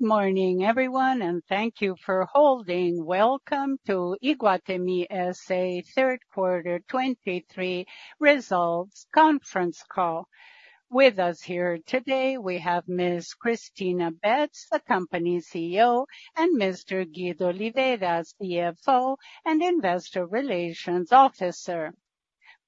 Good morning, everyone, and thank you for holding. Welcome to Iguatemi S.A. Q3 2023 results conference call. With us here today, we have Ms. Cristina Betts, the company's CEO, and Mr. Guido Oliveira, CFO and Investor Relations Officer.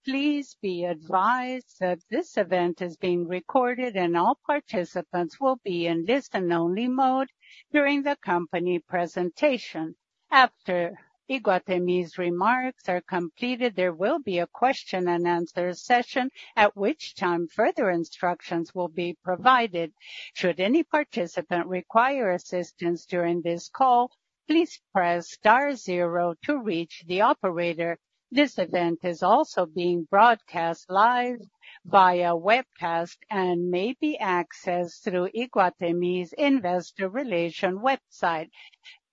Please be advised that this event is being recorded, and all participants will be in listen-only mode during the company presentation. After Iguatemi's remarks are completed, there will be a question and answer session, at which time further instructions will be provided. Should any participant require assistance during this call, please press star zero to reach the operator. This event is also being broadcast live via webcast and may be accessed through Iguatemi's Investor Relations website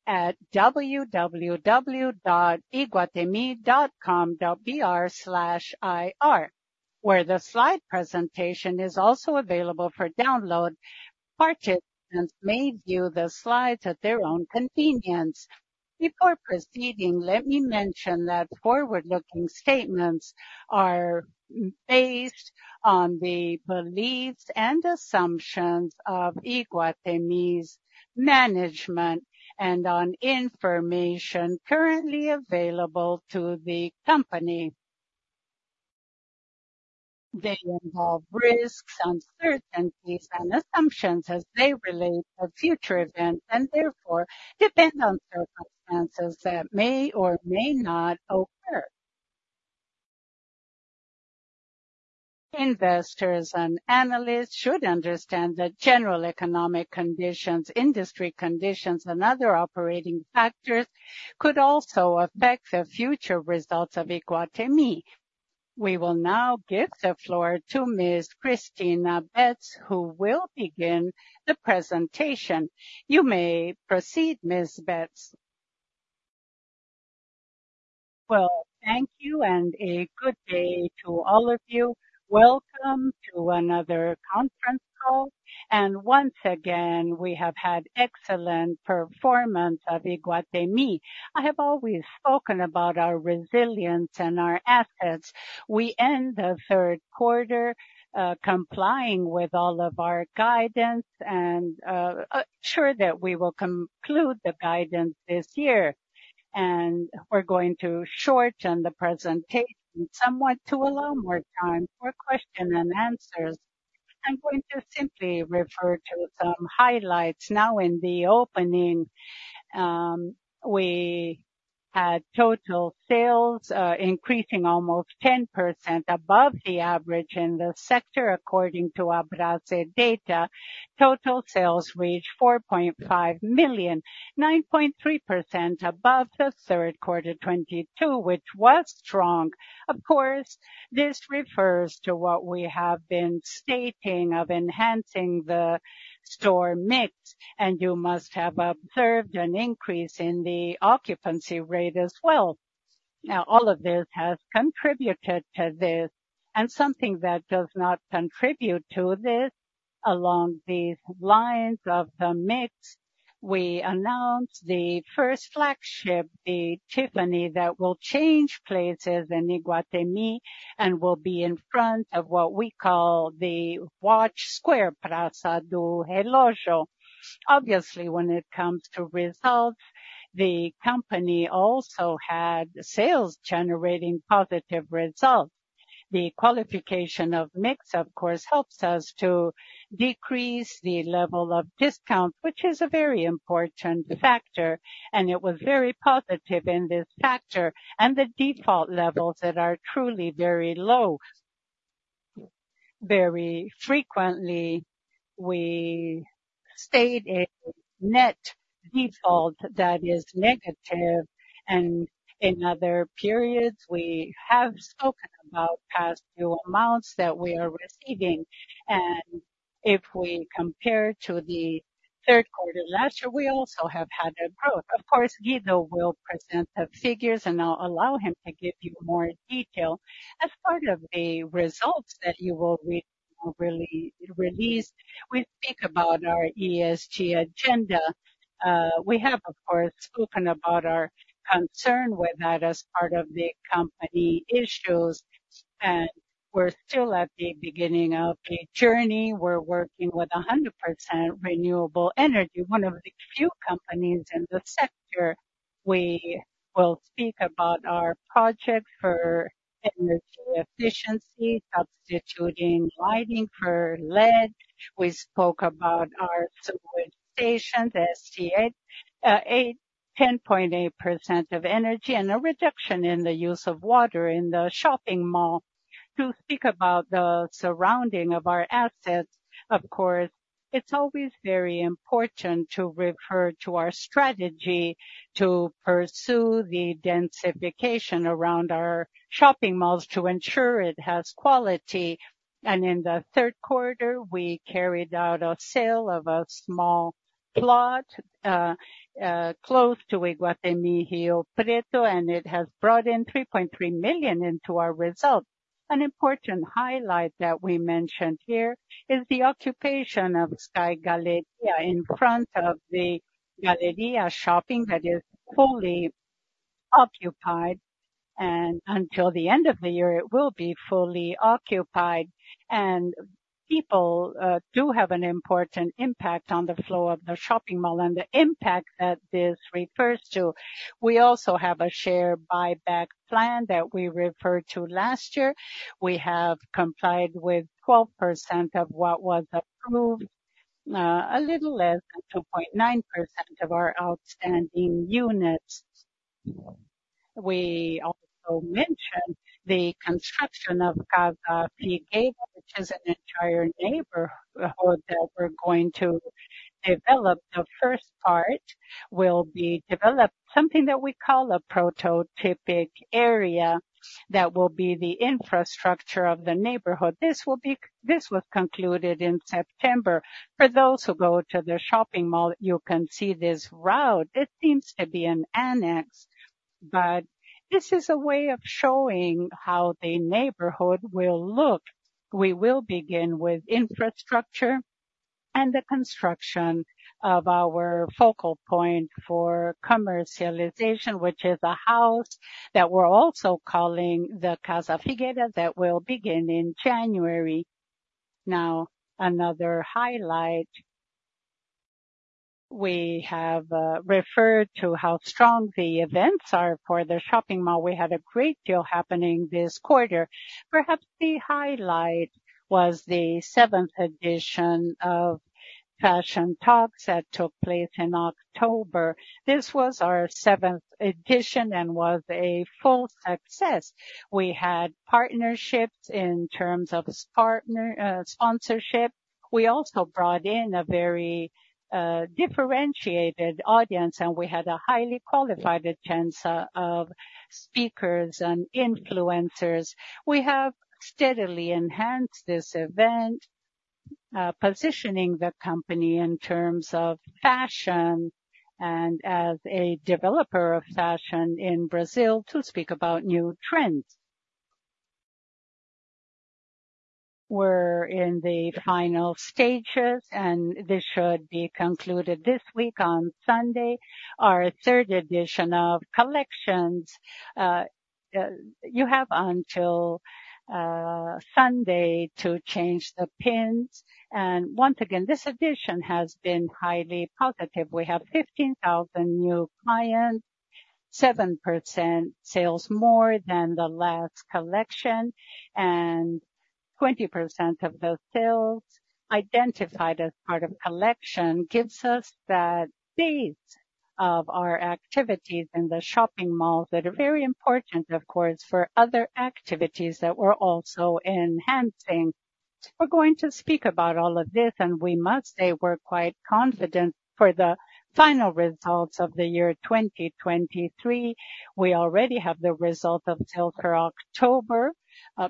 at www.iguatemi.com.br/ir, where the slide presentation is also available for download. Participants may view the slides at their own convenience. Before proceeding, let me mention that forward-looking statements are based on the beliefs and assumptions of Iguatemi's management and on information currently available to the company. They involve risks, uncertainties and assumptions as they relate to future events, and therefore depend on circumstances that may or may not occur. Investors and analysts should understand that general economic conditions, industry conditions, and other operating factors could also affect the future results of Iguatemi. We will now give the floor to Ms. Cristina Betts, who will begin the presentation. You may proceed, Ms. Betts. Well, thank you and a good day to all of you. Welcome to another conference call, and once again, we have had excellent performance of Iguatemi. I have always spoken about our resilience and our assets. We end the Q3 complying with all of our guidance and sure that we will conclude the guidance this year. We're going to shorten the presentation somewhat to allow more time for question and answers. I'm going to simply refer to some highlights now in the opening. We had total sales increasing almost 10% above the average in the sector, according to Abrasce data. Total sales reached 4.5 million, 9.3% above the Q3 2022, which was strong. Of course, this refers to what we have been stating of enhancing the store mix, and you must have observed an increase in the occupancy rate as well. Now, all of this has contributed to this, and something that does not contribute to this, along these lines of the mix, we announced the first Flagship, the Tiffany, that will change places in Iguatemi and will be in front of what we call the Watch Square, Praça do Relógio. Obviously, when it comes to results, the company also had sales generating positive results. The qualification of mix, of course, helps us to decrease the level of discount, which is a very important factor, and it was very positive in this factor and the default levels that are truly very low. Very frequently, we state a net default that is negative, and in other periods, we have spoken about past due amounts that we are receiving. And if we compare to the Q3 last year, we also have had a growth. Of course, Guido will present the figures, and I'll allow him to give you more detail. As part of the results that you will re-release, we think about our ESG agenda. We have, of course, spoken about our concern with that as part of the company issues, and we're still at the beginning of the journey. We're working with 100% renewable energy, one of the few companies in the sector. We will speak about our project for energy efficiency, substituting lighting for LED. We spoke about our sewage station, the SCA, 8.10% of energy and a reduction in the use of water in the shopping mall. To speak about the surrounding of our assets, of course, it's always very important to refer to our strategy to pursue the densification around our shopping malls to ensure it has quality. In the Q3, we carried out a sale of a small plot close to Iguatemi Rio Preto, and it has brought in 3.3 million into our results. An important highlight that we mentioned here is the occupation of Sky Galleria in front of the Galleria Shopping, that is fully occupied, and until the end of the year, it will be fully occupied. People do have an important impact on the flow of the shopping mall and the impact that this refers to. We also have a share buyback plan that we referred to last year. We have complied with 12% of what was approved, a little less than 2.9% of our outstanding units. We also mentioned the construction of Casa Figueira, which is an entire neighborhood that we're going to develop. The first part will be developed, something that we call a prototypic area, that will be the infrastructure of the neighborhood. This was concluded in September. For those who go to the shopping mall, you can see this route. It seems to be an annex, but this is a way of showing how the neighborhood will look. We will begin with infrastructure and the construction of our focal point for commercialization, which is a house that we're also calling the Casa Figueira, that will begin in January. Now, another highlight. We have referred to how strong the events are for the shopping mall. We had a great deal happening this quarter. Perhaps the highlight was the seventh edition of Fashion Talks, that took place in October. This was our seventh edition and was a full success. We had partnerships in terms of partner, sponsorship. We also brought in a very, differentiated audience, and we had a highly qualified attendance of speakers and influencers. We have steadily enhanced this event, positioning the company in terms of fashion and as a developer of fashion in Brazil, to speak about new trends. We're in the final stages, and this should be concluded this week. On Sunday, our third edition of collections, you have until Sunday to change the pins, and once again, this edition has been highly positive. We have 15,000 new clients, 7% sales more than the last collection, and 20% of the sales identified as part of collection, gives us the dates of our activities in the shopping mall, that are very important, of course, for other activities that we're also enhancing. We're going to speak about all of this, and we must say we're quite confident for the final results of the year 2023. We already have the result of till for October.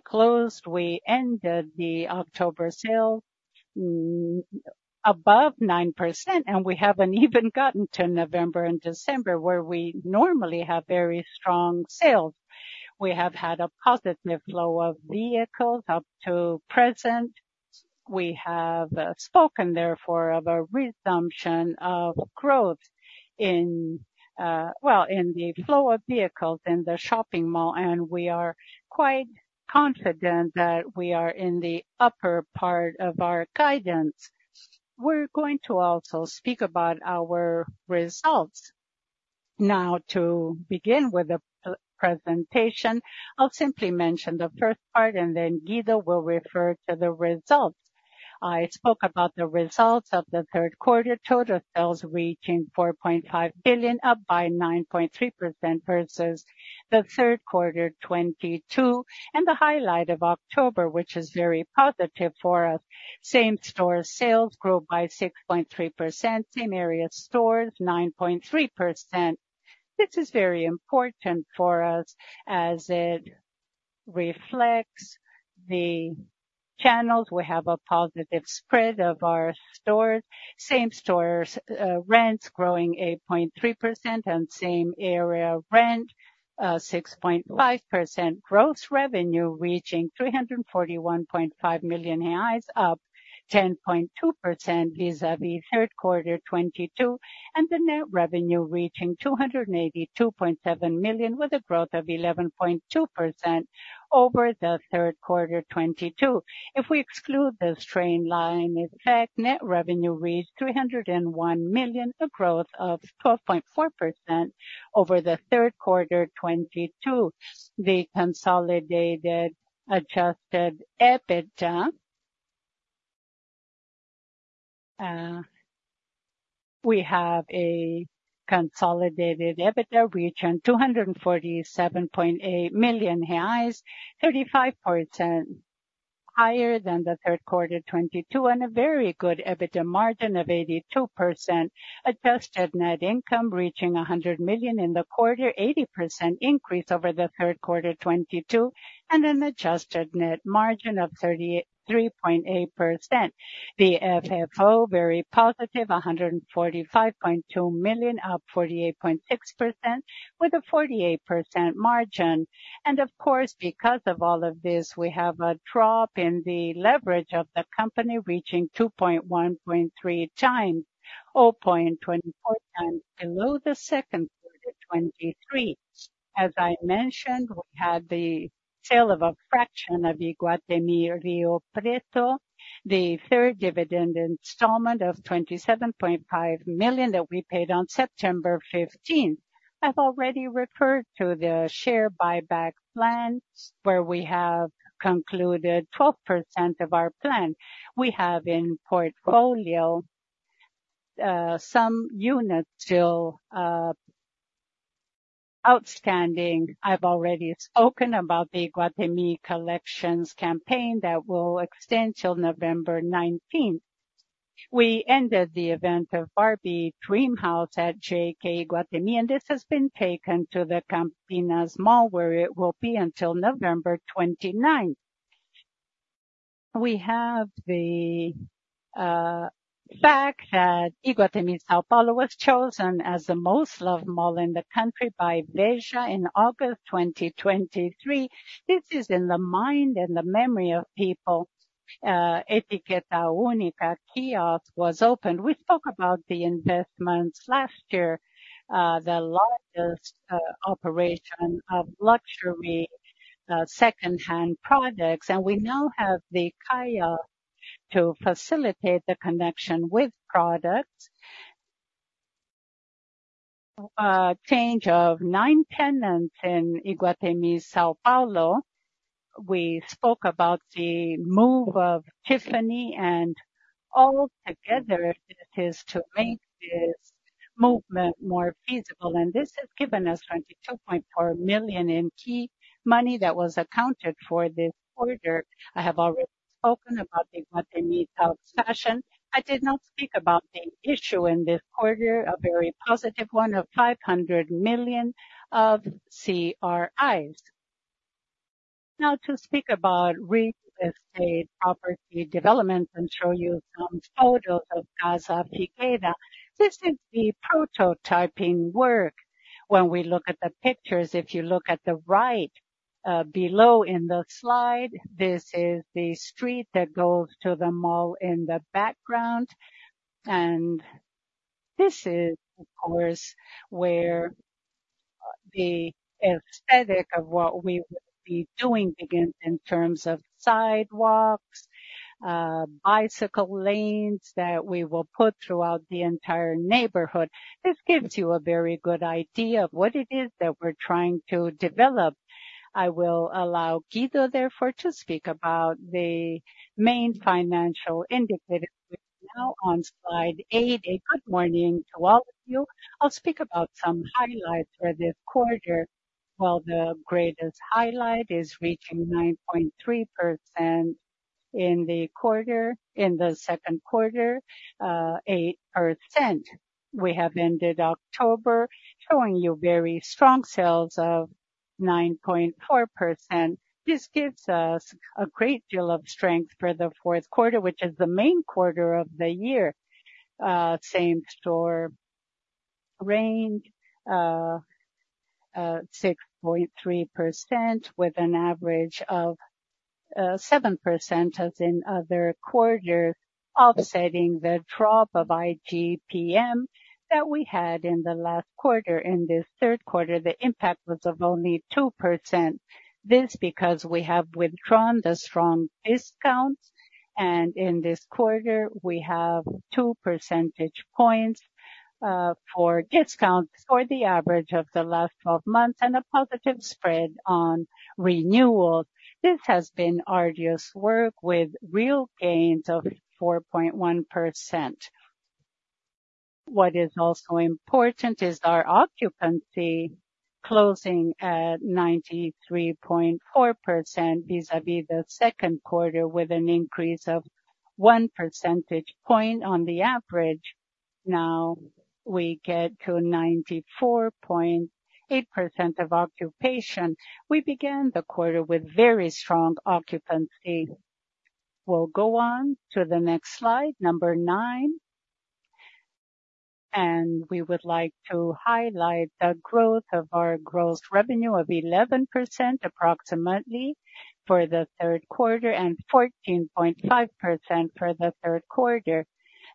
Closed, we ended the October sale above 9%, and we haven't even gotten to November and December, where we normally have very strong sales. We have had a positive flow of vehicles up to present. We have spoken, therefore, of a resumption of growth in, well, in the flow of vehicles in the shopping mall, and we are quite confident that we are in the upper part of our guidance. We're going to also speak about our results. Now, to begin with the presentation, I'll simply mention the first part, and then Guido will refer to the results. I spoke about the results of the Q3. Total sales reaching 4.5 billion, up by 9.3% versus the Q3 2022, and the highlight of October, which is very positive for us. Same store sales grew by 6.3%, same area stores, 9.3%. This is very important for us as it reflects the channels. We have a positive spread of our stores. Same stores, rents growing 8.3% and same area rent, 6.5%. Gross revenue reaching 341.5 million reais, up 10.2% vis-a-vis Q3 2022, and the net revenue reaching 282.7 million, with a growth of 11.2% over the Q3 2022. If we exclude the straight-line effect, net revenue reached 301 million, a growth of 12.4% over the Q3 2022. The consolidated adjusted EBITDA... We have a consolidated EBITDA reaching 247.8 million reais, 35% higher than the Q3 2022, and a very good EBITDA margin of 82%. Adjusted net income reaching 100 million in the quarter, 80% increase over the Q3 2022, and an adjusted net margin of 33.8%. The FFO, very positive, 145.2 million, up 48.6%, with a 48% margin. And of course, because of all of this, we have a drop in the leverage of the company, reaching 2.1x or 0.24x below the Q2 2023. As I mentioned, we had the sale of a fraction of Iguatemi Rio Preto, the third dividend installment of 27.5 million that we paid on September 15. I've already referred to the share buyback plan, where we have concluded 12% of our plan. We have in portfolio some units still outstanding. I've already spoken about the Iguatemi Collections campaign that will extend till November 19. We ended the event of Barbie Dream House at JK Iguatemi, and this has been taken to the Campinas Mall, where it will be until November 29. We have the fact that Iguatemi São Paulo was chosen as the most loved mall in the country by Veja in August 2023. This is in the mind and the memory of people. Etiqueta Única kiosk was opened. We spoke about the investments last year, the largest operation of luxury second-hand products, and we now have the kayak to facilitate the connection with products. Change of nine tenants in Iguatemi São Paulo. We spoke about the move of Tiffany and all together, it is to make this movement more feasible, and this has given us 22.4 million in key money that was accounted for this quarter. I have already spoken about the Iguatemi São fashion. I did not speak about the issue in this quarter, a very positive one of 500 million of CRIs. Now to speak about real estate property development and show you some photos of Casa Figueira. This is the prototyping work. When we look at the pictures, if you look at the right, below in the slide, this is the street that goes to the mall in the background. This is, of course, where the aesthetic of what we will be doing again, in terms of sidewalks, Bicycle lanes that we will put throughout the entire neighborhood. This gives you a very good idea of what it is that we're trying to develop. I will allow Guido, therefore, to speak about the main financial indicators. We're now on slide 8. A good morning to all of you. I'll speak about some highlights for this quarter. Well, the greatest highlight is reaching 9.3% in the quarter-- in the Q2, 8%. We have ended October, showing you very strong sales of 9.4%. This gives us a great deal of strength for the Q4 which is the main quarter of the year. Same store rent, 6.3%, with an average of 7% as in other quarters, offsetting the drop of IGP-M that we had in the last quarter. In this Q3, the impact was of only 2%. This because we have withdrawn the strong discounts, and in this quarter, we have 2% for discounts for the average of the last 12 months and a positive spread on renewal. This has been arduous work with real gains of 4.1%. What is also important is our occupancy closing at 93.4% vis-a-vis the Q2, with an increase of 1% on the average. Now, we get to 94.8% of occupancy. We began the quarter with very strong occupancy. We'll go on to the next slide, number nine. We would like to highlight the growth of our gross revenue of 11%, approximately, for the Q3 and 14.5% for the Q3.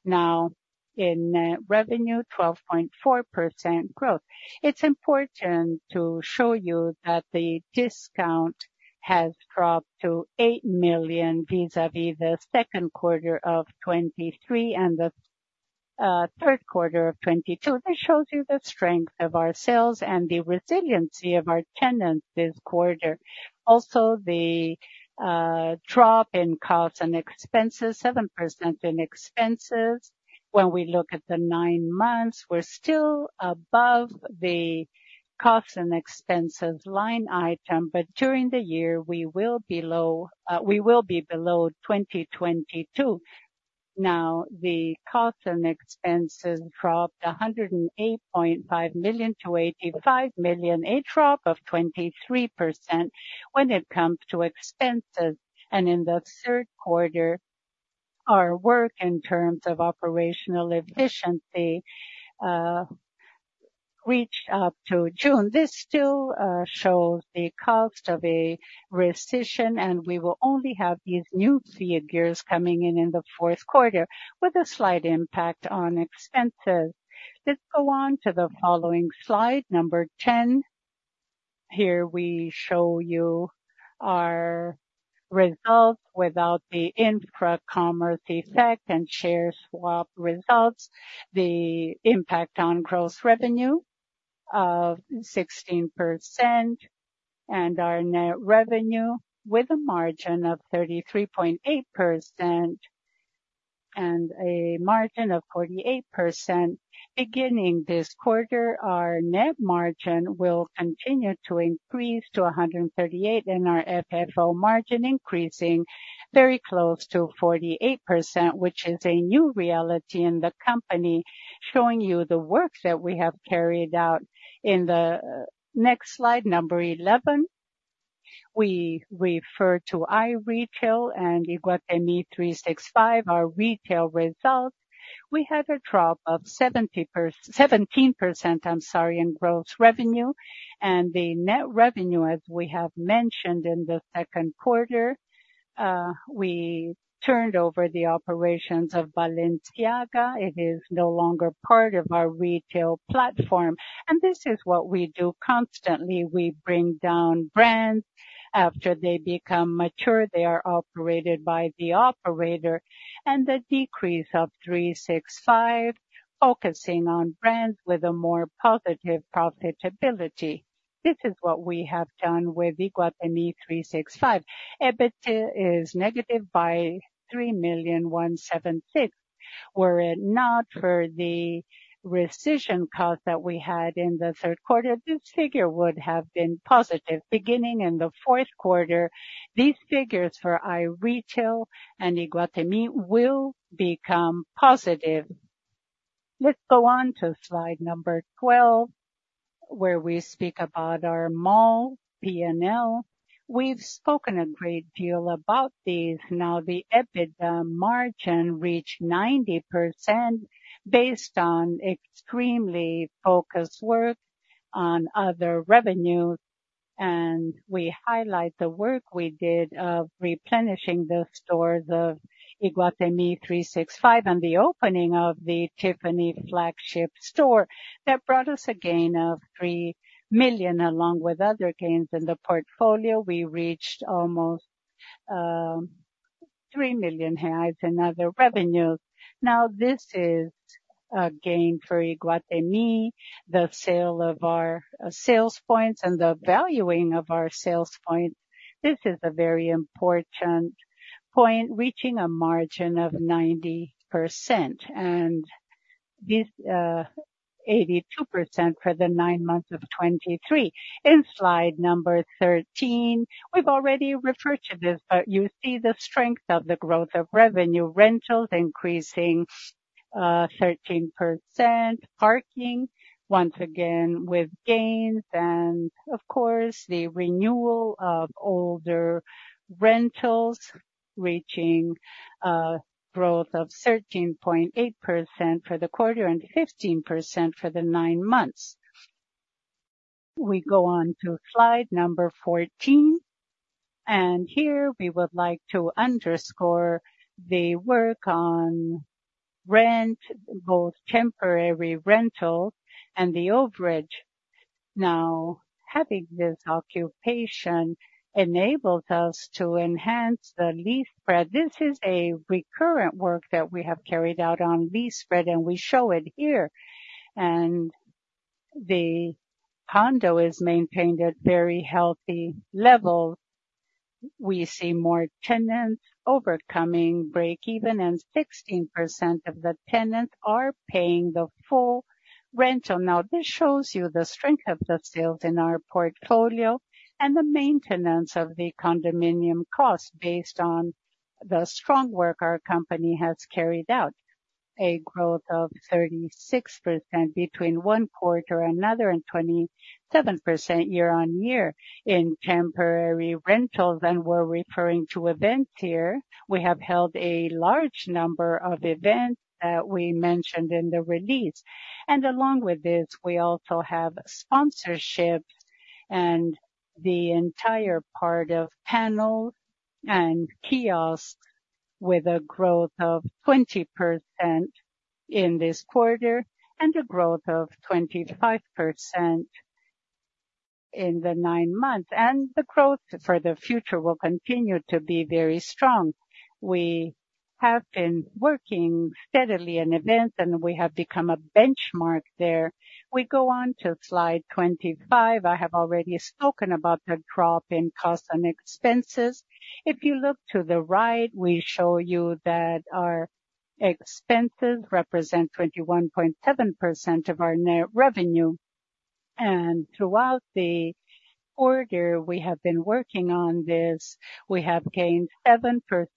Now, in net revenue, 12.4% growth. It's important to show you that the discount has dropped to eight million vis-a-vis the Q2 of 2023 and the Q3 of 2022. This shows you the strength of our sales and the resiliency of our tenants this quarter. Also, the drop in costs and expenses, 7% in expenses. When we look at the nine months, we're still above the costs and expenses line item, but during the year, we will be below 2022. Now, the costs and expenses dropped 108.5 million to 85 million, a drop of 23% when it comes to expenses. In the Q3, our work in terms of operational efficiency reached up to June. This still shows the cost of a recession, and we will only have these new figures coming in in the Q4 with a slight impact on expenses. Let's go on to the following slide, number 10. Here we show you our results without the Infracommerce effect and share swap results, the impact on gross revenue of 16% and our net revenue with a margin of 33.8% and a margin of 48%. Beginning this quarter, our net margin will continue to increase to 138, and our FFO margin increasing very close to 48%, which is a new reality in the company, showing you the work that we have carried out. In the next slide, number 11, we refer to iRetail and Iguatemi 365, our retail results. We had a drop of 17%, I'm sorry, in gross revenue and the net revenue, as we have mentioned in the Q2, we turned over the operations of Balenciaga. It is no longer part of our retail platform, and this is what we do constantly. We bring down brands. After they become mature, they are operated by the operator and the decrease of 365, focusing on brands with a more positive profitability. This is what we have done with Iguatemi 365. EBITDA is negative by 3,176,000. Were it not for the rescission cost that we had in the Q3, this figure would have been positive. Beginning in the Q4, these figures for iRetail and Iguatemi will become positive. Let's go on to slide number 12, where we speak about our mall P&L. We've spoken a great deal about these. Now, the EBITDA margin reached 90% based on extremely focused work on other revenues, and we highlight the work we did of replenishing the stores of Iguatemi 365, and the opening of the Tiffany Flagship store. That brought us a gain of three million, along with other gains in the portfolio. We reached almost three million reais in other revenues. Now, this is a gain for Iguatemi, the sale of our sales points and the valuing of our sales points. This is a very important point, reaching a margin of 90% and this, 82% for the nine months of 2023. In slide number 13, we've already referred to this, but you see the strength of the growth of revenue. Rentals increasing, 13%, parking once again with gains, and of course, the renewal of older rentals reaching a growth of 13.8% for the quarter and 15% for the nine months. We go on to slide number 14, and here we would like to underscore the work on rent, both temporary rental and the overage. Now, having this occupation enables us to enhance the lease spread. This is a recurrent work that we have carried out on lease spread, and we show it here. The condo is maintained at very healthy level. We see more tenants overcoming break-even, and 16% of the tenants are paying the full rental. Now, this shows you the strength of the sales in our portfolio and the maintenance of the condominium costs based on the strong work our company has carried out. A growth of 36% between one quarter another and 27% year-on-year in temporary rentals, and we're referring to events here. We have held a large number of events that we mentioned in the release, and along with this, we also have sponsorships and the entire part of panels and kiosks, with a growth of 20% in this quarter and a growth of 25% in the nine months, and the growth for the future will continue to be very strong. We have been working steadily in events, and we have become a Benchmark there. We go on to slide 25. I have already spoken about the drop in costs and expenses. If you look to the right, we show you that our expenses represent 21.7% of our net revenue, and throughout the quarter, we have been working on this. We have gained 7%,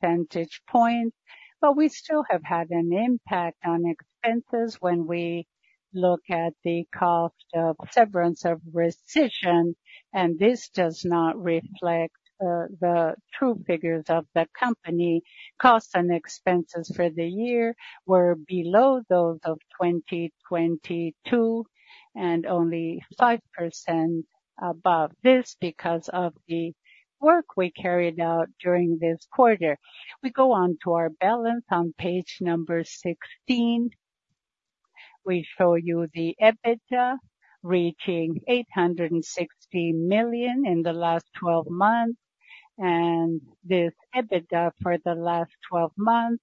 but we still have had an impact on expenses when we look at the cost of severance of rescission, and this does not reflect the true figures of the company. Costs and expenses for the year were below those of 2022 and only 5% above this because of the work we carried out during this quarter. We go on to our balance on page number 16.... We show you the EBITDA reaching 860 million in the last 12 months, and this EBITDA for the last 12months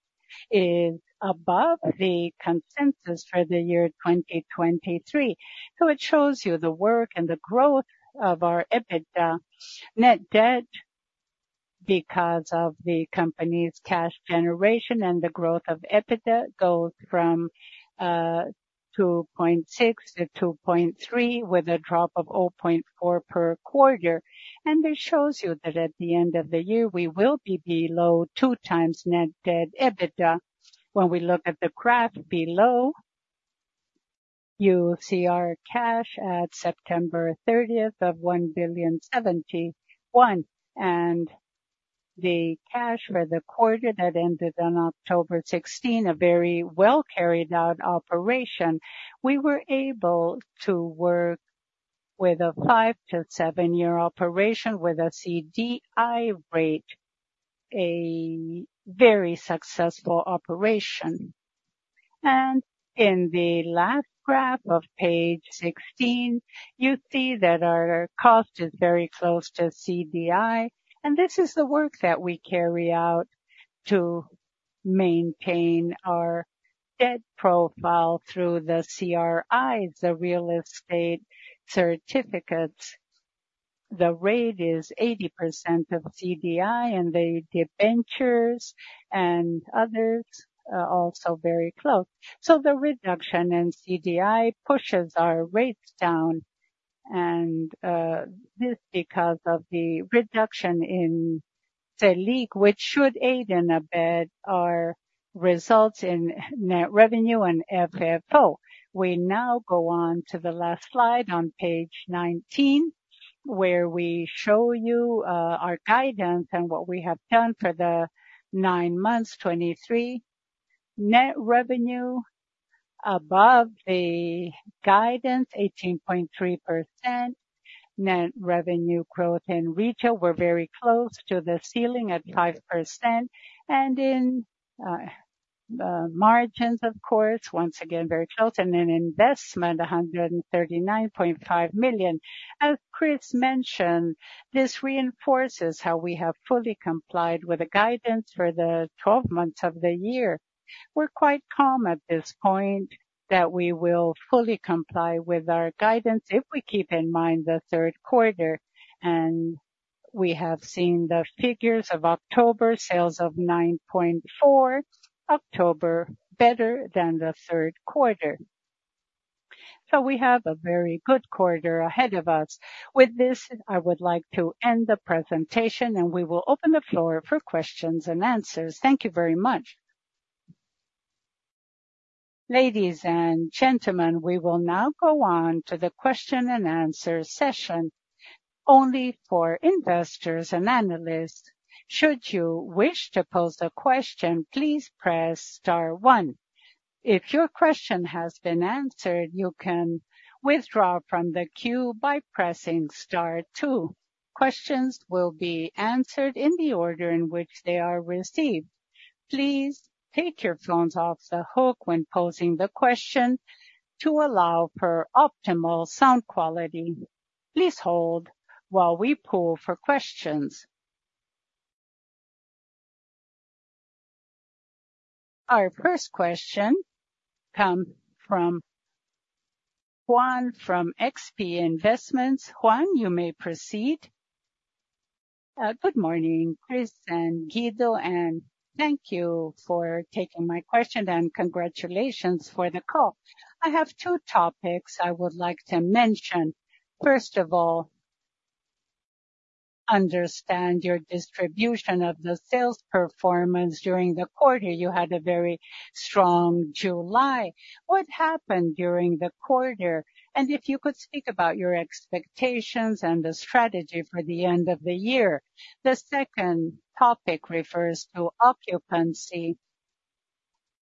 is above the consensus for the year 2023. So it shows you the work and the growth of our EBITDA net debt, because of the company's cash generation and the growth of EBITDA goes from 2.6 to 2.3, with a drop of 0.4 per quarter. And this shows you that at the end of the year, we will be below 2x net debt EBITDA. When we look at the graph below, you see our cash at September 30th of 1,071 million, and the cash for the quarter that ended on October 16, a very well carried out operation. We were able to work with a five-seven-year operation with a CDI rate, a very successful operation. In the last graph of page 16, you see that our cost is very close to CDI, and this is the work that we carry out to maintain our debt profile through the CRIs, the real estate certificates. The rate is 80% of CDI, and the debentures and others are also very close. The reduction in CDI pushes our rates down, and this, because of the reduction in the Selic, which should aid and abet our results in net revenue and FFO. We now go on to the last slide on page 19, where we show you our guidance and what we have done for the nine months, 2023. Net revenue above the guidance, 18.3%. Net revenue growth in retail, we're very close to the ceiling at 5%. And in margins, of course, once again, very close, and in investment, 139.5 million. As Chris mentioned, this reinforces how we have fully complied with the guidance for the 12 months of the year. We're quite calm at this point that we will fully comply with our guidance if we keep in mind the Q3, and we have seen the figures of October, sales of 9.4, October, better than the Q3. So we have a very good quarter ahead of us. With this, I would like to end the presentation, and we will open the floor for questions and answers. Thank you very much. Ladies and gentlemen, we will now go on to the question and answer session only for investors and analysts. Should you wish to pose a question, please press star one. If your question has been answered, you can withdraw from the queue by pressing star two. Questions will be answered in the order in which they are received. Please take your phones off the hook when posing the question to allow for optimal sound quality. Please hold while we poll for questions. Our first question come from Juan, from XP Investments. Juan, you may proceed. Good morning, Cristina and Guido, and thank you for taking my question, and congratulations for the call. I have two topics I would like to mention. First of all, understand your distribution of the sales performance during the quarter. You had a very strong July. What happened during the quarter? And if you could speak about your expectations and the strategy for the end of the year. The second topic refers to occupancy.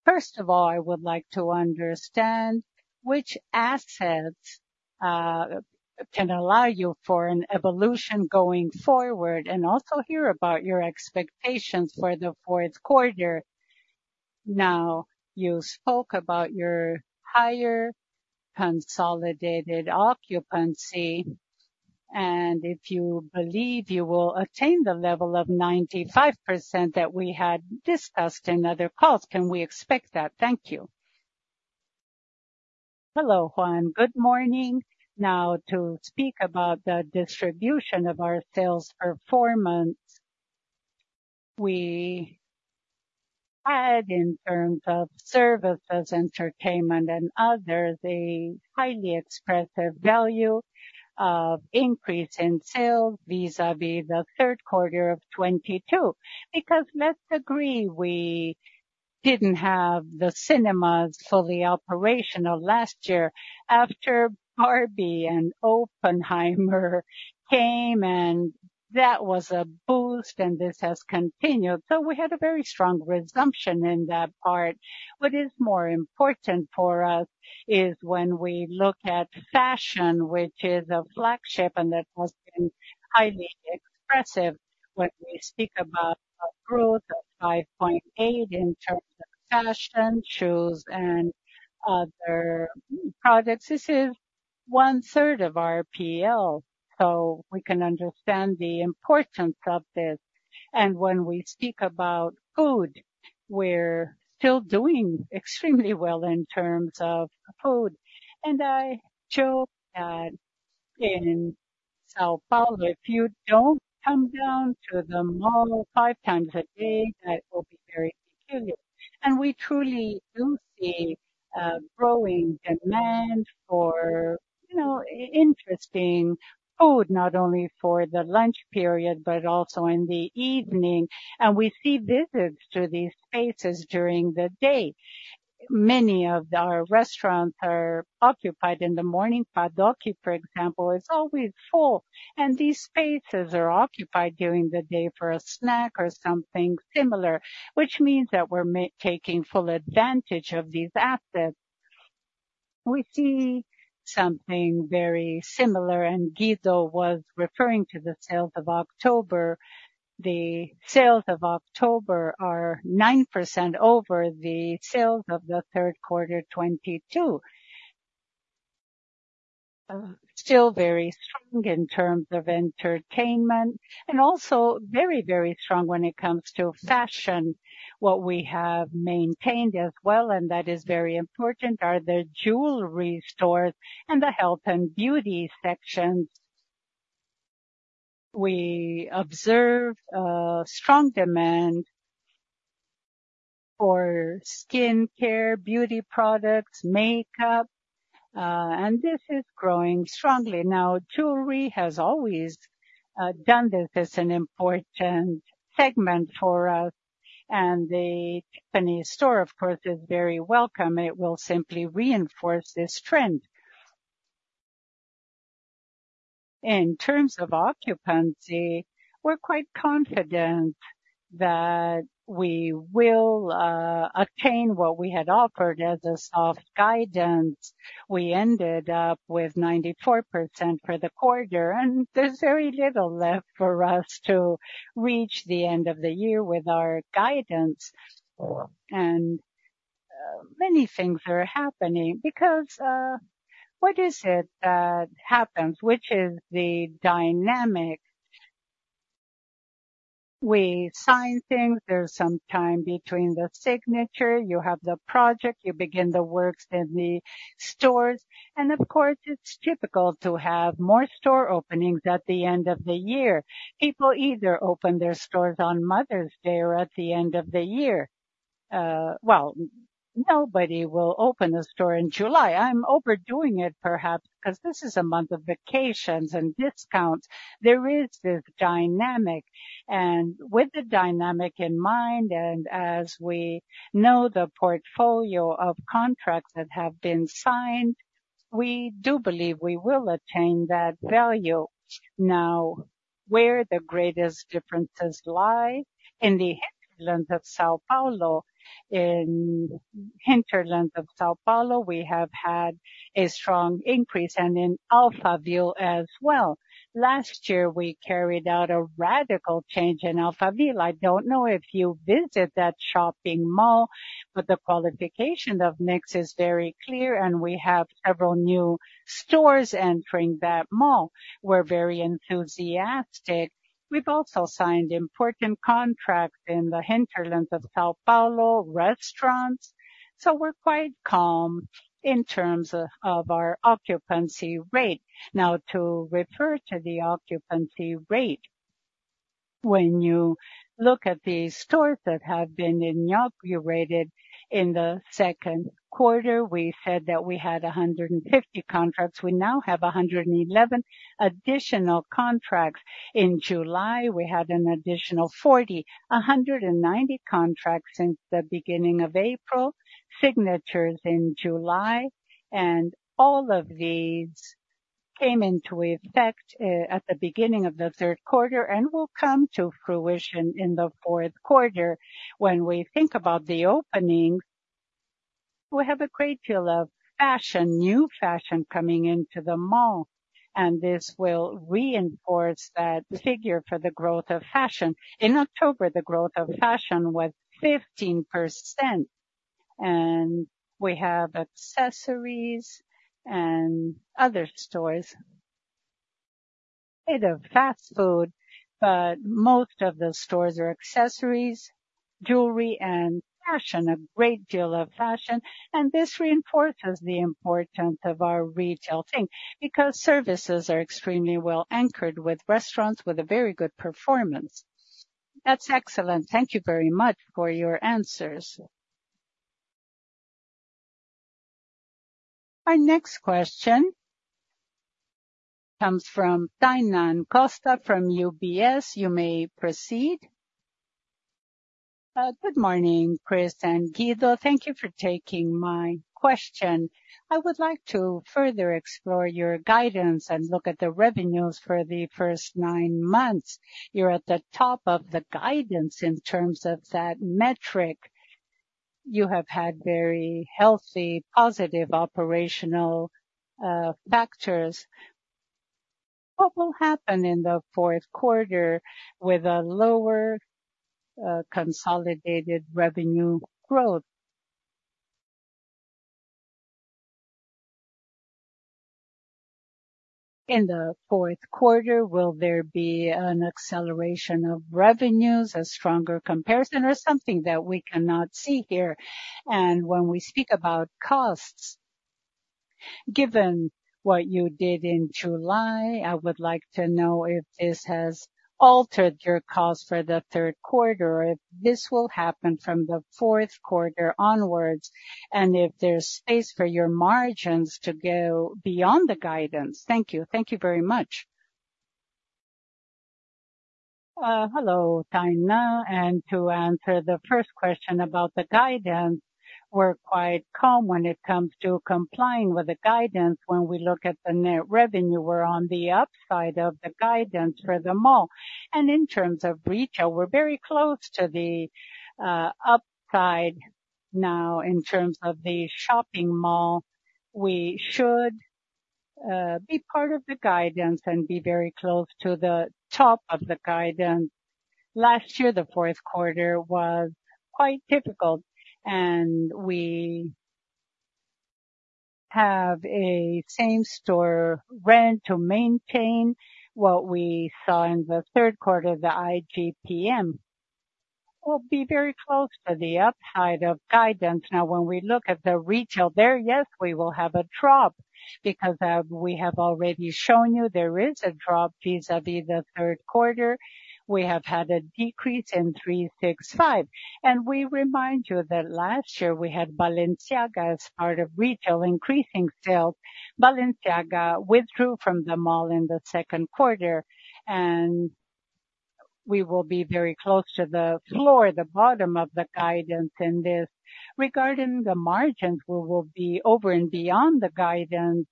First of all, I would like to understand which assets can allow you for an evolution going forward, and also hear about your expectations for the Q4. Now, you spoke about your higher consolidated occupancy, and if you believe you will attain the level of 95% that we had discussed in other calls, can we expect that? Thank you. Hello, Juan. Good morning. Now, to speak about the distribution of our sales performance, we had in terms of services, entertainment, and others, a highly expressive value of increase in sales vis-a-vis the Q3 of 2022. Because let's agree, we didn't have the cinemas fully operational last year. After Barbie and Oppenheimer came, and that was a boost, and this has continued. So we had a very strong resumption in that part. What is more important for us is when we look at fashion, which is a Flagship, and that has been highly expressive. When we speak about a growth of 5.8 in terms of fashion, shoes, and other products, this is 1/3 of our PL, so we can understand the importance of this. And when we speak about food, we're still doing extremely well in terms of food. And I joke that in São Paulo, if you don't come down to the mall 5x a day, that will be very peculiar. And we truly do see growing demand for, you know, interesting food, not only for the lunch period, but also in the evening. And we see visits to these spaces during the day. Many of our restaurants are occupied in the morning. Padoca, for example, is always full, and these spaces are occupied during the day for a snack or something similar, which means that we're taking full advantage of these assets. We see something very similar, and Guido was referring to the sales of October. The sales of October are 9% over the sales of the Q3 2022. Still very strong in terms of entertainment and also very, very strong when it comes to fashion. What we have maintained as well, and that is very important, are the jewelry stores and the health and beauty sections. We observe a strong demand for skincare, beauty products, makeup, and this is growing strongly. Now, jewelry has always done this as an important segment for us, and the Tiffany store, of course, is very welcome. It will simply reinforce this trend. In terms of occupancy, we're quite confident that we will attain what we had offered as a soft guidance. We ended up with 94% for the quarter, and there's very little left for us to reach the end of the year with our guidance. And many things are happening because what is it that happens, which is the dynamic? We sign things. There's some time between the signature. You have the project, you begin the works in the stores, and of course, it's typical to have more store openings at the end of the year. People either open their stores on Mother's Day or at the end of the year. Well, nobody will open a store in July. I'm overdoing it, perhaps because this is a month of vacations and discounts. There is this dynamic, and with the dynamic in mind, and as we know, the portfolio of contracts that have been signed, we do believe we will attain that value. Now, where the greatest differences lie, in the hinterland of São Paulo. In hinterland of São Paulo, we have had a strong increase, and in Alphaville as well. Last year, we carried out a radical change in Alphaville. I don't know if you visit that shopping mall, but the qualification of mix is very clear, and we have several new stores entering that mall. We're very enthusiastic. We've also signed important contracts in the hinterland of São Paulo, restaurants. So we're quite calm in terms of our occupancy rate. Now, to refer to the occupancy rate, when you look at the stores that have been inaugurated in the Q2, we said that we had 150 contracts. We now have 111 additional contracts. In July, we had an additional 40, 190 contracts since the beginning of April, signatures in July, and all of these came into effect at the beginning of the Q3 and will come to fruition in the Q4. When we think about the opening, we have a great deal of fashion, new fashion, coming into the mall, and this will reinforce that figure for the growth of fashion. In October, the growth of fashion was 15%, and we have accessories and other stores. They have fast food, but most of the stores are accessories, jewelry and fashion, a great deal of fashion. This reinforces the importance of our retail thing, because services are extremely well anchored with restaurants with a very good performance. That's excellent. Thank you very much for your answers. Our next question comes from Tainan Costa, from UBS. You may proceed. Good morning, Chris and Guido. Thank you for taking my question. I would like to further explore your guidance and look at the revenues for the first nine months. You're at the top of the guidance in terms of that metric... You have had very healthy, positive operational factors. What will happen in the Q4 with a lower consolidated revenue growth? In the Q4, will there be an acceleration of revenues, a stronger comparison, or something that we cannot see here? When we speak about costs, given what you did in July, I would like to know if this has altered your costs for the Q3, if this will happen from the Q4 onwards, and if there's space for your margins to go beyond the guidance. Thank you. Thank you very much. Hello, Tainan. To answer the first question about the guidance, we're quite calm when it comes to complying with the guidance. When we look at the net revenue, we're on the upside of the guidance for the mall. In terms of retail, we're very close to the upside now in terms of the shopping mall. We should be part of the guidance and be very close to the top of the guidance. Last year, theQ4 was quite difficult, and we have a same-store rent to maintain what we saw in the Q3, the IGP-M. We'll be very close to the upside of guidance. Now, when we look at the retail there, yes, we will have a drop because we have already shown you there is a drop vis-a-vis the Q3. We have had a decrease in 365. We remind you that last year we had Balenciaga as part of retail, increasing sales. Balenciaga withdrew from the mall in the Q2, and we will be very close to the floor, the bottom of the guidance in this. Regarding the margins, we will be over and beyond the guidance.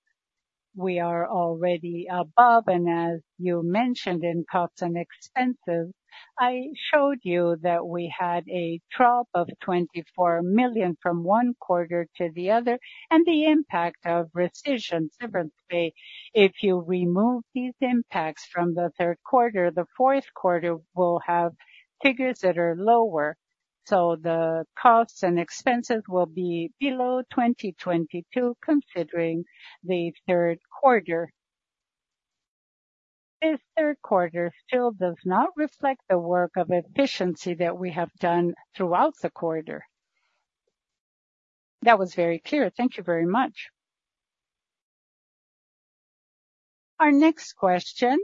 We are already above, and as you mentioned, in costs and expenses, I showed you that we had a drop of 24 million from one quarter to the other, and the impact of rescissions. If you remove these impacts from the Q3, the Q4 will have figures that are lower, so the costs and expenses will be below 2022, considering the Q3. This Q3 still does not reflect the work of efficiency that we have done throughout the quarter. That was very clear. Thank you very much. Our next question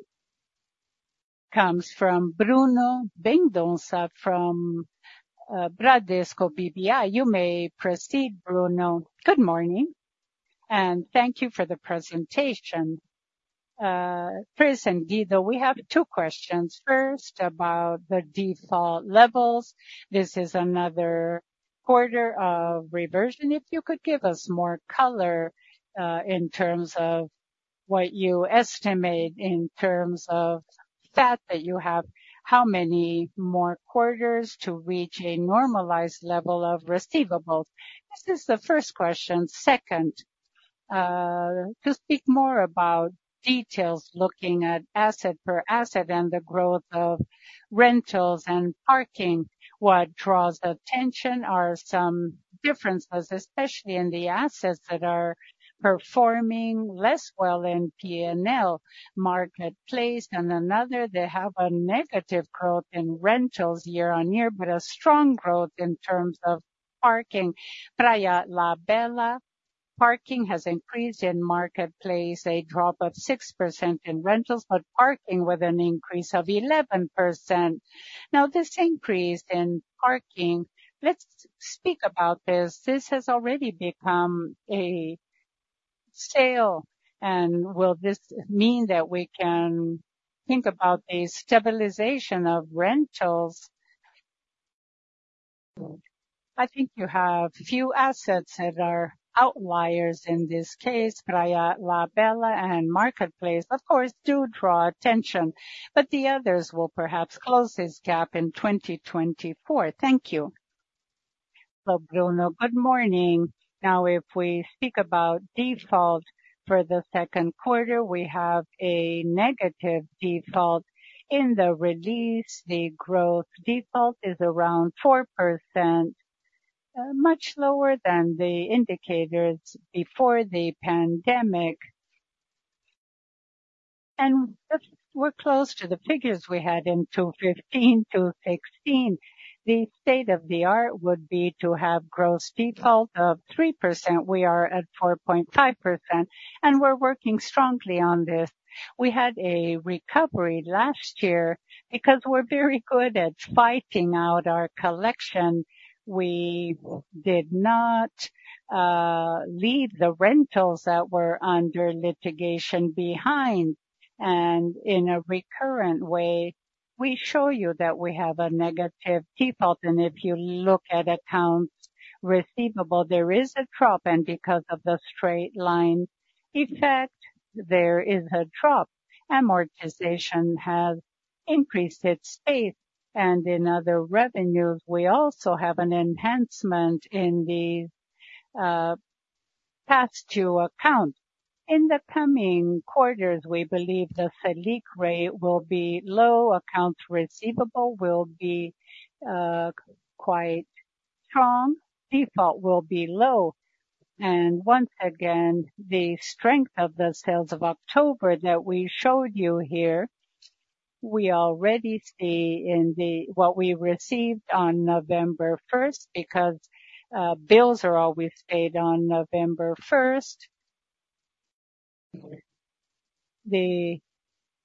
comes from Bruno Mendonca, from Bradesco BBI. You may proceed, Bruno. Good morning, and thank you for the presentation. Chris and Guido, we have two questions. First, about the default levels. This is another quarter of reversion. If you could give us more color, in terms of what you estimate in terms of fact, that you have how many more quarters to reach a normalized level of receivables? This is the first question. Second, to speak more about details, looking at asset per asset and the growth of rentals and parking, what draws attention are some differences, especially in the assets that are performing less well in P&L. Market Place and another, they have a negative growth in rentals year-on-year, but a strong growth in terms of parking. Praia de Belas, parking has increased in Market Place, a drop of 6% in rentals, but parking with an increase of 11%. Now, this increase in parking, let's speak about this. This has already become a sale, and will this mean that we can think about a stabilization of rentals? I think you have a few assets that are outliers in this case, Praia de Belas and Market Place, of course, do draw attention, but the others will perhaps close this gap in 2024. Thank you. Hello, Bruno. Good morning. Now, if we speak about default for the Q2, we have a negative default. In the release, the growth default is around 4%, much lower than the indicators before the pandemic. If we're close to the figures we had in 2015, 2016, the state of the art would be to have gross default of 3%. We are at 4.5%, and we're working strongly on this. We had a recovery last year because we're very good at fighting out our collection. We did not leave the rentals that were under litigation behind. In a recurrent way, we show you that we have a negative default, and if you look at accounts receivable, there is a drop, and because of the Straight Line Effect, there is a drop. Amortization has increased its faith. In other revenues, we also have an enhancement in the past due account. In the coming quarters, we believe the Selic rate will be low, accounts receivable will be quite strong, default will be low. And once again, the strength of the sales of October that we showed you here, we already see in what we received on November 1st, because bills are always paid on November 1st. The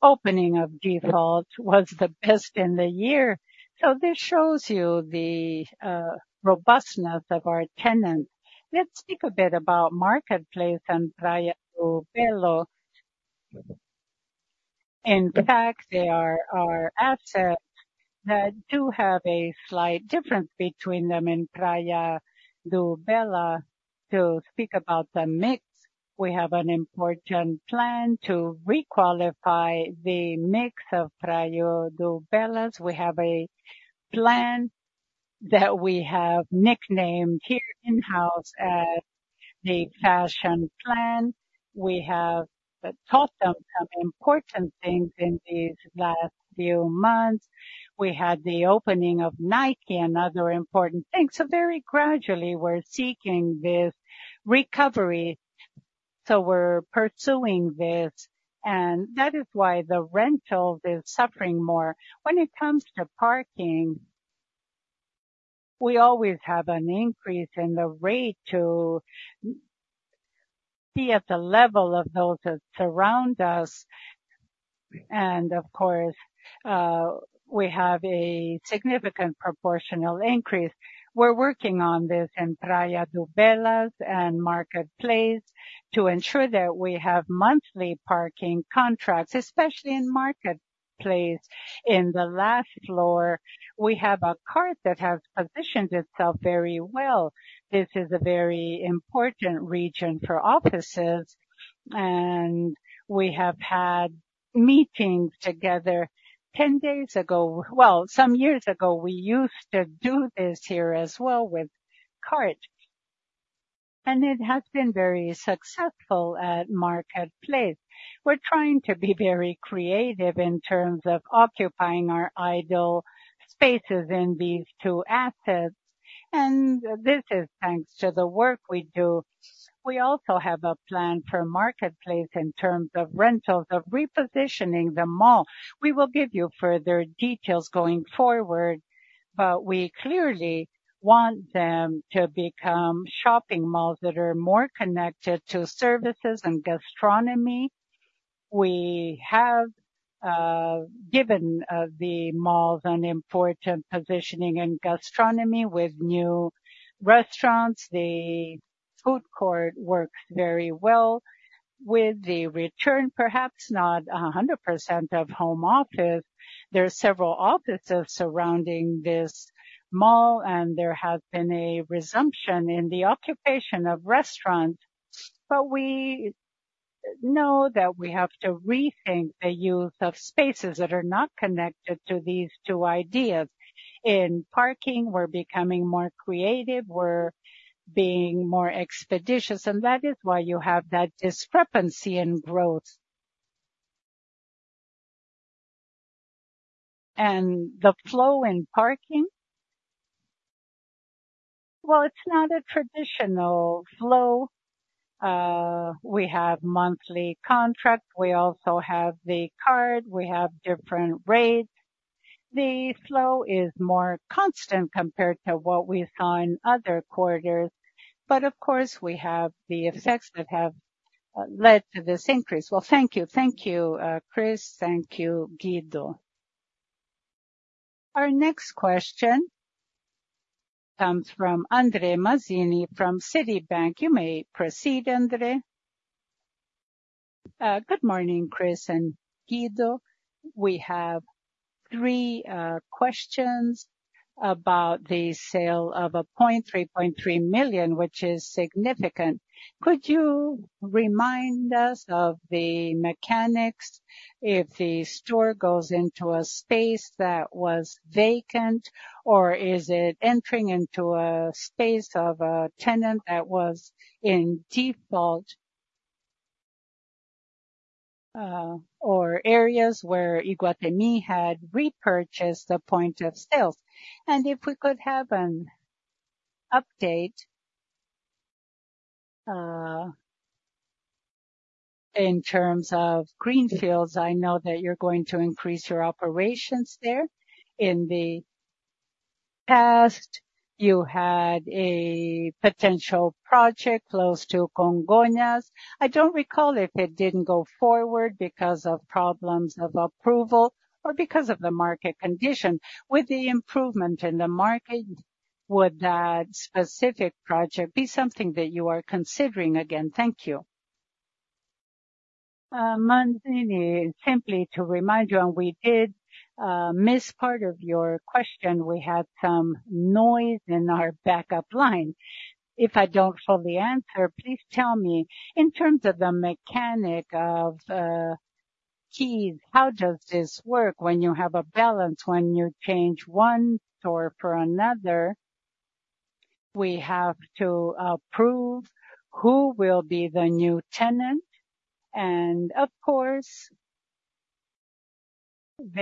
opening of default was the best in the year. So this shows you the robustness of our tenants. Let's speak a bit about Market Place and Praia de Belas. In fact, they are our assets that do have a slight difference between them and Praia de Belas. To speak about the mix, we have an important plan to re-qualify the mix of Praia de Belas. We have a plan that we have nicknamed here in-house as the Fashion Plan. We have taught them some important things in these last few months. We had the opening of Nike and other important things. So very gradually, we're seeking this recovery. So we're pursuing this, and that is why the rentals is suffering more. When it comes to parking, we always have an increase in the rate to be at the level of those that surround us. And of course, we have a significant proportional increase. We're working on this in Praia de Belas and Market Place to ensure that we have monthly parking contracts, especially in Market Place. In the last floor, we have a kart that has positioned itself very well. This is a very important region for offices, and we have had meetings together 10 days ago. Well, some years ago, we used to do this here as well with kart, and it has been very successful at Market Place. We're trying to be very creative in terms of occupying our idle spaces in these two assets, and this is thanks to the work we do. We also have a plan for Market Place in terms of rentals, of repositioning the mall. We will give you further details going forward, but we clearly want them to become shopping malls that are more connected to services and gastronomy. We have given the malls an important positioning in gastronomy with new restaurants. The food court works very well. With the return, perhaps not 100% of home office. There are several offices surrounding this mall, and there has been a resumption in the occupation of restaurants, but we know that we have to rethink the use of spaces that are not connected to these two ideas. In parking, we're becoming more creative, we're being more expeditious, and that is why you have that discrepancy in growth. The flow in parking? Well, it's not a traditional flow. We have monthly contracts. We also have the card. We have different rates. The flow is more constant compared to what we saw in other quarters, but of course, we have the effects that have led to this increase. Well, thank you. Thank you, Chris. Thank you, Guido. Our next question comes from Andre Mazzini, from Citibank. You may proceed, Andre. Good morning, Chris and Guido. We have three questions about the sale of a point, 3.3 million, which is significant. Could you remind us of the mechanics if the store goes into a space that was vacant, or is it entering into a space of a tenant that was in default, or areas where Iguatemi had repurchased the point of sales? And if we could have an update in terms of greenfields, I know that you're going to increase your operations there. In the past, you had a potential project close to Congonhas. I don't recall if it didn't go forward because of problems of approval or because of the market condition. With the improvement in the market, would that specific project be something that you are considering again? Thank you. Mazzini, simply to remind you, and we did miss part of your question. We had some noise in our backup line. If I don't show the answer, please tell me. In terms of the mechanics of keys, how does this work when you have a balance, when you change one store for another? We have to approve who will be the new tenant, and of course,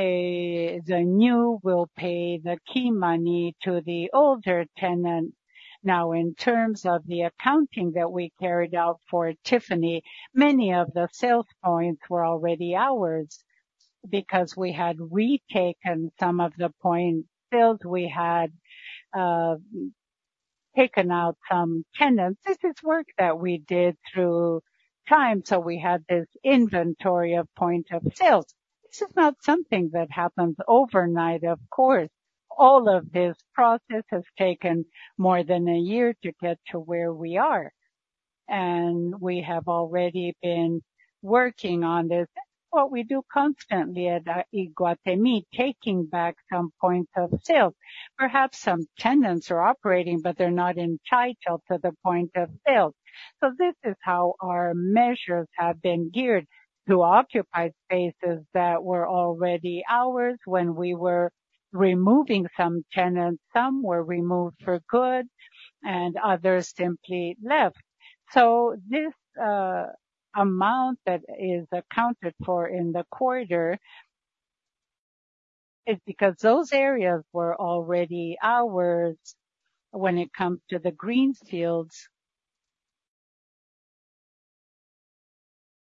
the new will pay the key money to the older tenant. Now, in terms of the accounting that we carried out for Tiffany, many of the sales points were already ours, because we had retaken some of the point sales. We had taken out some tenants. This is work that we did over time, so we had this inventory of point of sales. This is not something that happens overnight, of course. All of this process has taken more than a year to get to where we are, and we have already been working on this. What we do constantly at Iguatemi, taking back some points of sales. Perhaps some tenants are operating, but they're not entitled to the point of sales. So this is how our measures have been geared to occupy spaces that were already ours when we were removing some tenants. Some were removed for good and others simply left. So this, amount that is accounted for in the quarter is because those areas were already ours. When it comes to the greenfields,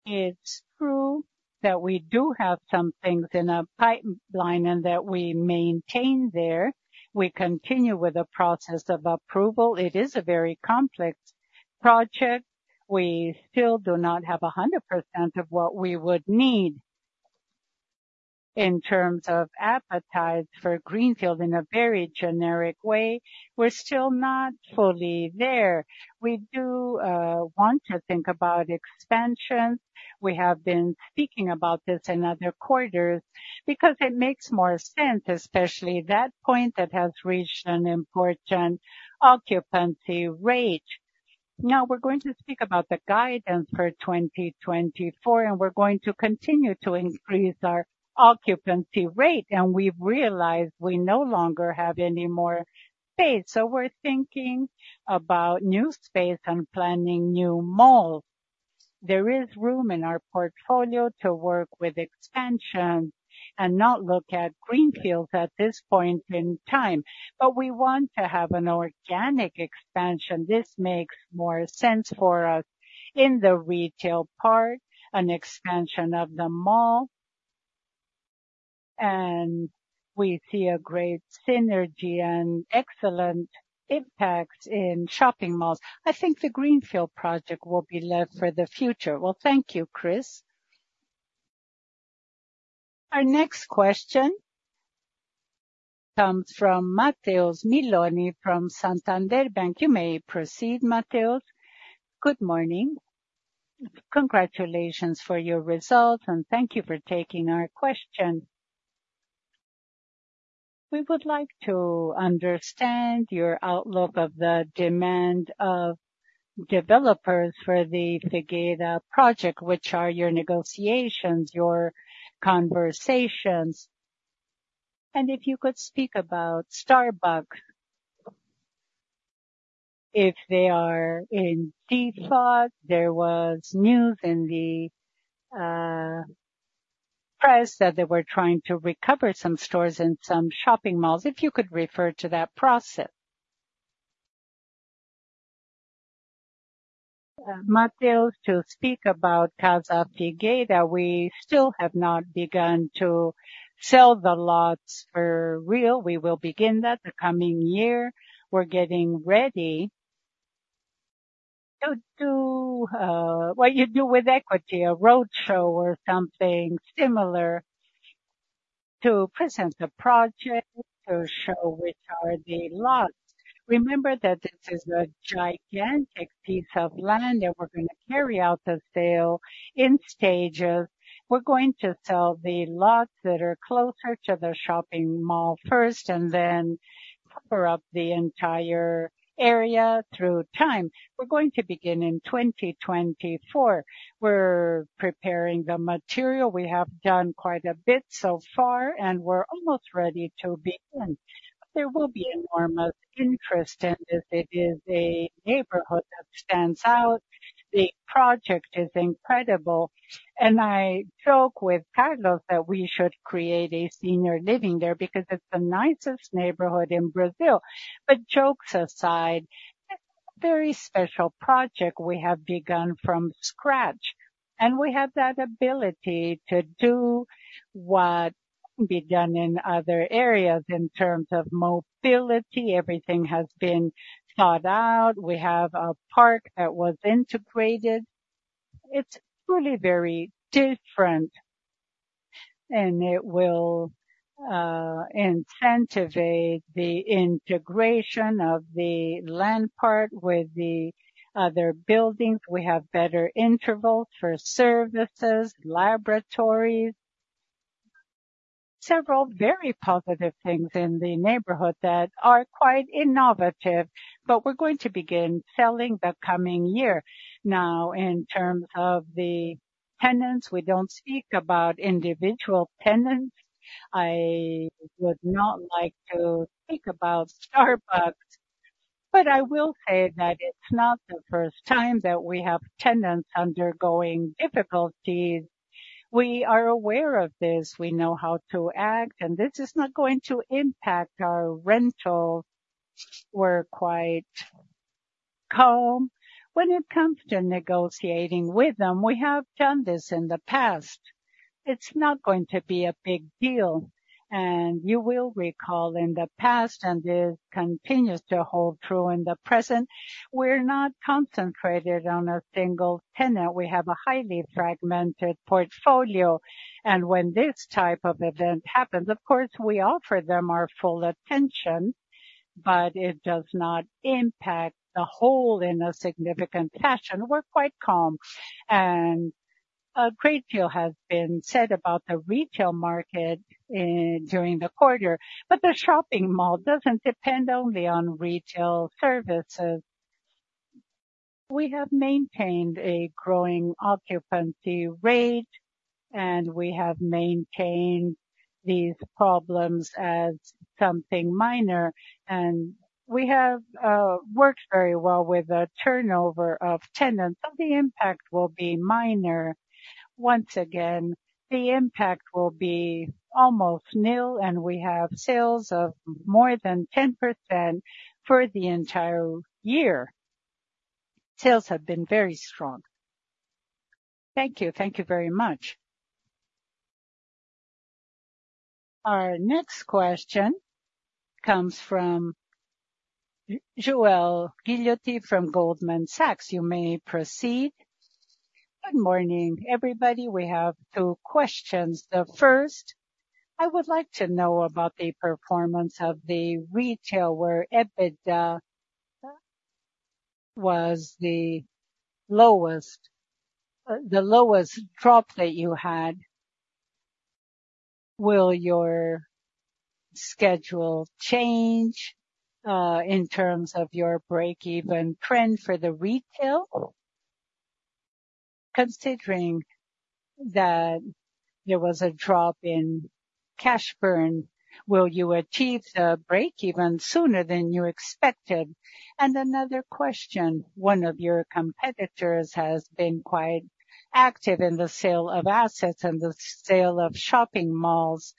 it's true that we do have some things in our pipeline and that we maintain there. We continue with the process of approval. It is a very complex project. We still do not have 100% of what we would need in terms of appetite for greenfield in a very generic way. We're still not fully there. We do want to think about expansion. We have been speaking about this in other quarters because it makes more sense, especially that point that has reached an important occupancy rate. Now, we're going to speak about the guidance for 2024, and we're going to continue to increase our occupancy rate, and we've realized we no longer have any more space. So we're thinking about new space and planning new malls. There is room in our portfolio to work with expansion and not look at greenfields at this point in time. But we want to have an organic expansion. This makes more sense for us in the retail part, an expansion of the mall, and we see a great synergy and excellent impact in shopping malls. I think the Greenfield project will be left for the future. Well, thank you, Chris. Our next question comes from Matheus Meloni, from Santander Bank. You may proceed, Mateus. Good morning. Congratulations for your results, and thank you for taking our question. We would like to understand your outlook of the demand of developers for the Figueira project, which are your negotiations, your conversations, and if you could speak about Starbucks, if they are in default. There was news in the press that they were trying to recover some stores in some shopping malls, if you could refer to that process. Mateus, to speak about Casa Figueira, we still have not begun to sell the lots for real. We will begin that the coming year. We're getting ready to do what you do with equity, a roadshow or something similar, to present the project, to show which are the lots. Remember that this is a gigantic piece of land, and that we're gonna carry out the sale in stages. We're going to sell the lots that are closer to the shopping mall first and then cover up the entire area through time. We're going to begin in 2024. We're preparing the material. We have done quite a bit so far, and we're almost ready to begin. There will be enormous interest, and this is a neighborhood that stands out. The project is incredible, and I joke with Carlos that we should create a senior living there because it's the nicest neighborhood in Brazil. But jokes aside, it's a very special project we have begun from scratch, and we have that ability to do what began in other areas in terms of mobility. Everything has been thought out. We have a park that was integrated. It's truly very different, and it will incentivize the integration of the land part with the other buildings. We have better intervals for services, laboratories... Several very positive things in the neighborhood that are quite innovative, but we're going to begin selling the coming year. Now, in terms of the tenants, we don't speak about individual tenants. I would not like to speak about Starbucks, but I will say that it's not the first time that we have tenants undergoing difficulties. We are aware of this. We know how to act, and this is not going to impact our rental. We're quite calm when it comes to negotiating with them. We have done this in the past. It's not going to be a big deal. And you will recall in the past, and this continues to hold true in the present, we're not concentrated on a single tenant. We have a highly fragmented portfolio, and when this type of event happens, of course, we offer them our full attention, but it does not impact the whole in a significant fashion. We're quite calm, and a great deal has been said about the retail market, during the quarter, but the shopping mall doesn't depend only on retail services. We have maintained a growing occupancy rate, and we have maintained these problems as something minor, and we have, worked very well with the turnover of tenants, so the impact will be minor. Once again, the impact will be almost nil, and we have sales of more than 10% for the entire year. Sales have been very strong. Thank you. Thank you very much. Our next question comes from Jorel Guilloty from Goldman Sachs. You may proceed. Good morning, everybody. We have two questions. The first, I would like to know about the performance of the retail, where EBITDA was the lowest, the lowest drop that you had. Will your schedule change, in terms of your break-even trend for the retail? Considering that there was a drop in cash burn, will you achieve the break-even sooner than you expected? And another question, one of your competitors has been quite active in the sale of assets and the sale of shopping malls.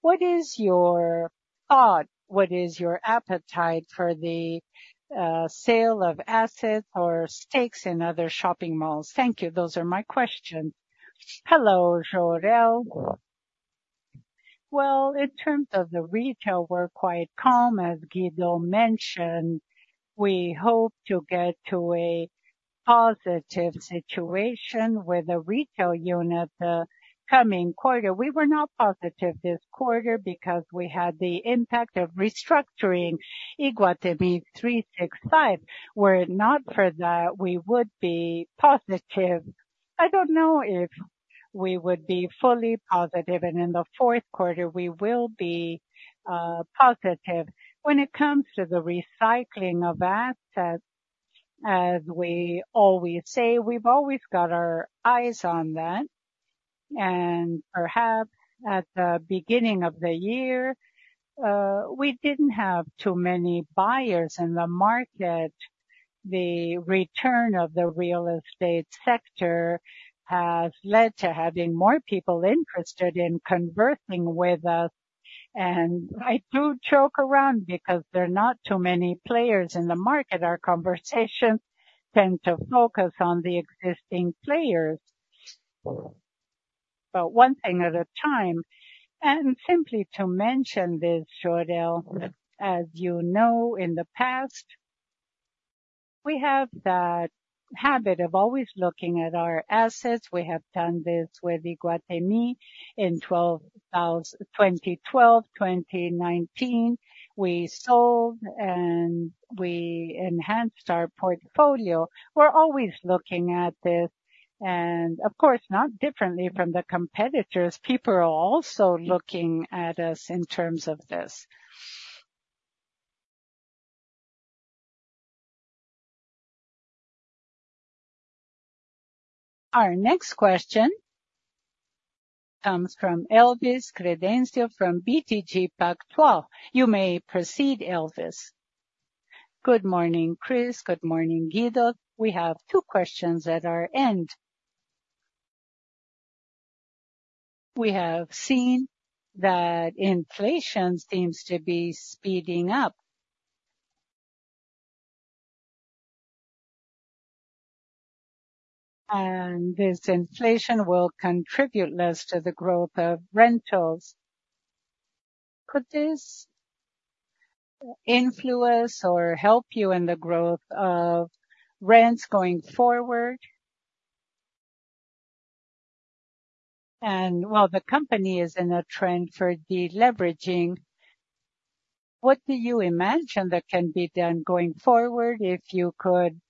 What is your thought? What is your appetite for the sale of assets or stakes in other shopping malls? Thank you. Those are my questions. Hello, Jorel. Well, in terms of the retail, we're quite calm, as Guido mentioned. We hope to get to a positive situation with the retail unit the coming quarter. We were not positive this quarter because we had the impact of restructuring Iguatemi 365. Were it not for that, we would be positive. I don't know if we would be fully positive, and in the Q4 we will be positive. When it comes to the recycling of assets, as we always say, we've always got our eyes on that. And perhaps at the beginning of the year, we didn't have too many buyers in the market. The return of the real estate sector has led to having more people interested in conversing with us. I do joke around because there are not too many players in the market. Our conversations tend to focus on the existing players. One thing at a time, and simply to mention this, Joelle, as you know, in the past, we have that habit of always looking at our assets. We have done this with Iguatemi in 2012, 2019. We sold and we enhanced our portfolio. We're always looking at this, and of course, not differently from the competitors. People are also looking at us in terms of this. Our next question comes from Elvis Credendio from BTG Pactual. You may proceed, Elvis. Good morning, Chris. Good morning, Guido. We have two questions at our end. We have seen that inflation seems to be speeding up. This inflation will contribute less to the growth of rentals. Could this influence or help you in the growth of rents going forward? While the company is in a trend for deleveraging. What do you imagine that can be done going forward, if you could,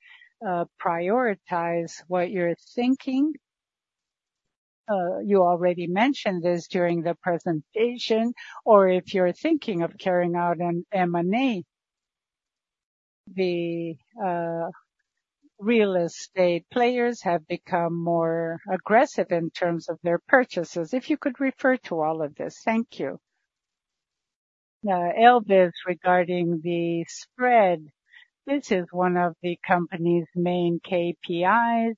prioritize what you're thinking? You already mentioned this during the presentation, or if you're thinking of carrying out an M&A. The real estate players have become more aggressive in terms of their purchases. If you could refer to all of this. Thank you. Elvis, regarding the spread, this is one of the company's main KPIs.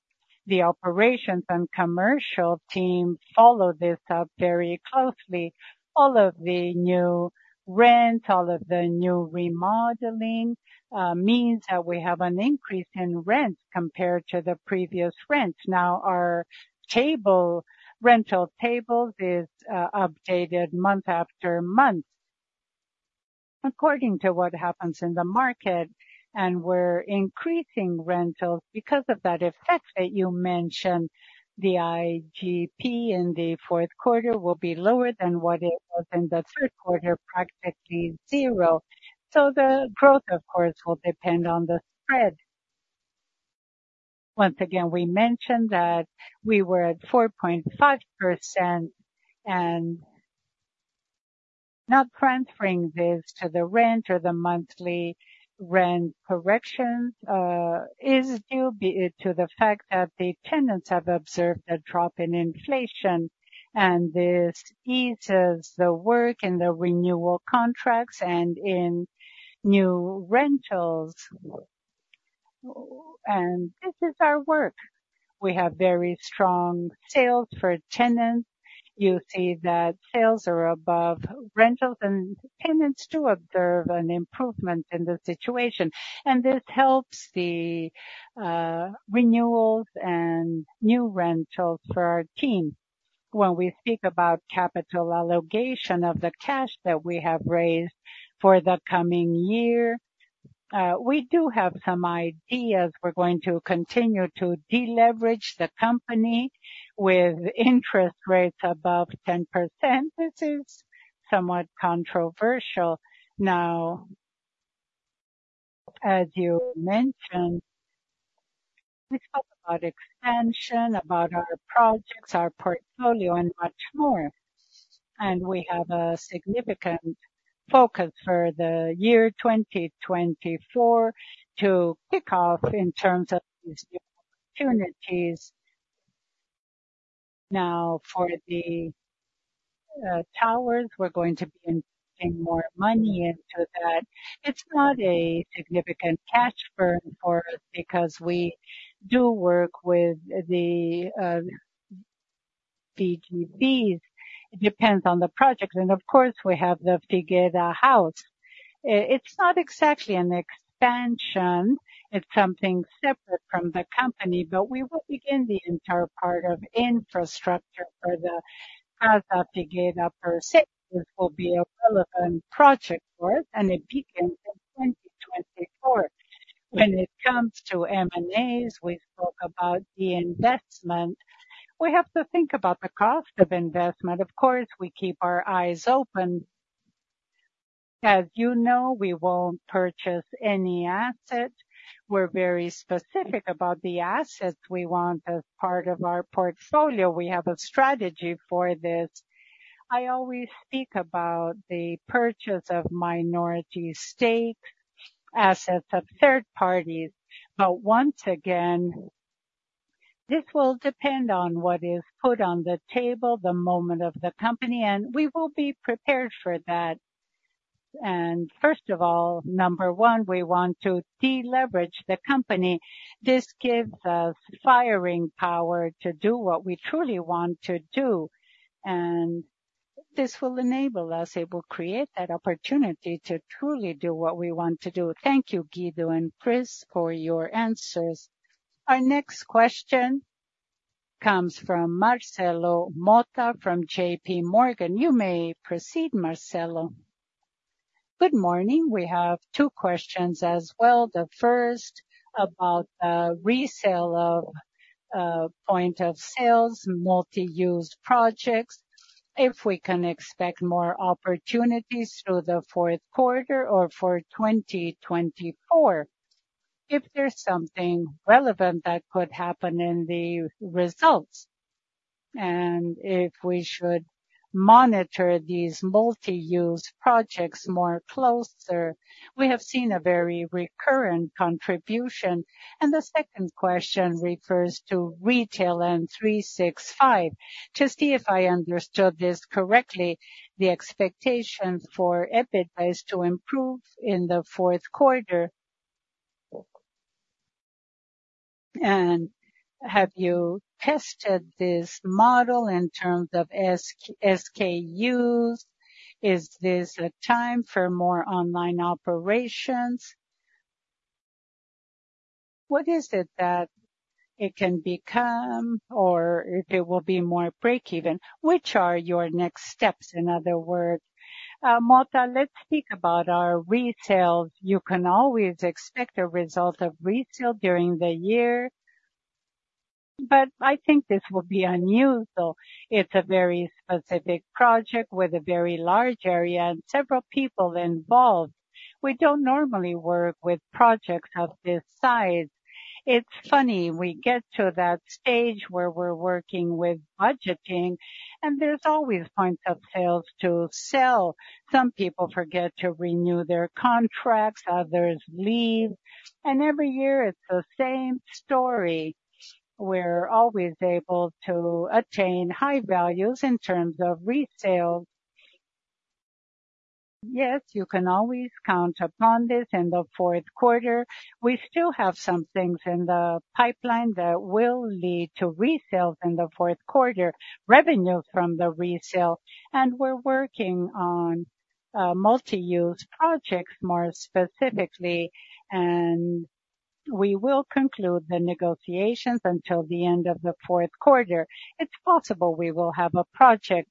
The operations and commercial team follow this up very closely. All of the new rent, all of the new remodeling, means that we have an increase in rent compared to the previous rent. Now, our table, rental tables is updated month after month according to what happens in the market, and we're increasing rentals because of that effect that you mentioned. The IGP in the Q4 will be lower than what it was in the Q3, practically zero. So the growth, of course, will depend on the spread. Once again, we mentioned that we were at 4.5%, and not transferring this to the rent or the monthly rent corrections is due to the fact that the tenants have observed a drop in inflation, and this eases the work and the renewal contracts and in new rentals. And this is our work. We have very strong sales for tenants. You see that sales are above rentals, and tenants do observe an improvement in the situation, and this helps the renewals and new rentals for our team. When we speak about capital allocation of the cash that we have raised for the coming year, we do have some ideas. We're going to continue to deleverage the company with interest rates above 10%. This is somewhat controversial. Now, as you mentioned, we talked about expansion, about our projects, our portfolio, and much more. We have a significant focus for the year 2024 to kick off in terms of these new opportunities. Now, for the towers, we're going to be investing more money into that. It's not a significant cash burn for us because we do work with the PGPs. It depends on the project, and of course, we have the Casa Figueira. It's not exactly an expansion, it's something separate from the company, but we will begin the entire part of infrastructure for the Casa Figueira per se. This will be a relevant project for us, and it begins in 2024. When it comes to M&As, we spoke about the investment. We have to think about the cost of investment. Of course, we keep our eyes open. As you know, we won't purchase any asset. We're very specific about the assets we want as part of our portfolio. We have a strategy for this. I always speak about the purchase of minority stakes, assets of third parties. But once again, this will depend on what is put on the table, the moment of the company, and we will be prepared for that. First of all, number one, we want to deleverage the company. This gives us firing power to do what we truly want to do, and this will enable us. It will create that opportunity to truly do what we want to do. Thank you, Guido and Chris, for your answers. Our next question comes from Marcelo Motta from JPMorgan. You may proceed, Marcelo. Good morning. We have two questions as well. The first about the resale of point of sales, multi-use projects. If we can expect more opportunities through the Q4 or for 2024, if there's something relevant that could happen in the results, and if we should monitor these multi-use projects more closer, we have seen a very recurrent contribution. The second question refers to retail and 365. To see if I understood this correctly, the expectation for EBITDA is to improve in the Q4. Have you tested this model in terms of SKUs? Is this a time for more online operations? What is it that it can become or if it will be more break even? Which are your next steps, in other words? Motta, let's speak about our retail. You can always expect a result of retail during the year... But I think this will be unusual. It's a very specific project with a very large area and several people involved. We don't normally work with projects of this size. It's funny, we get to that stage where we're working with budgeting, and there's always points of sales to sell. Some people forget to renew their contracts, others leave, and every year it's the same story. We're always able to attain high values in terms of resale. Yes, you can always count upon this in the Q4. We still have some things in the pipeline that will lead to resales in the Q4, revenue from the resale, and we're working on multi-use projects more specifically, and we will conclude the negotiations until the end of the Q4. It's possible we will have a project.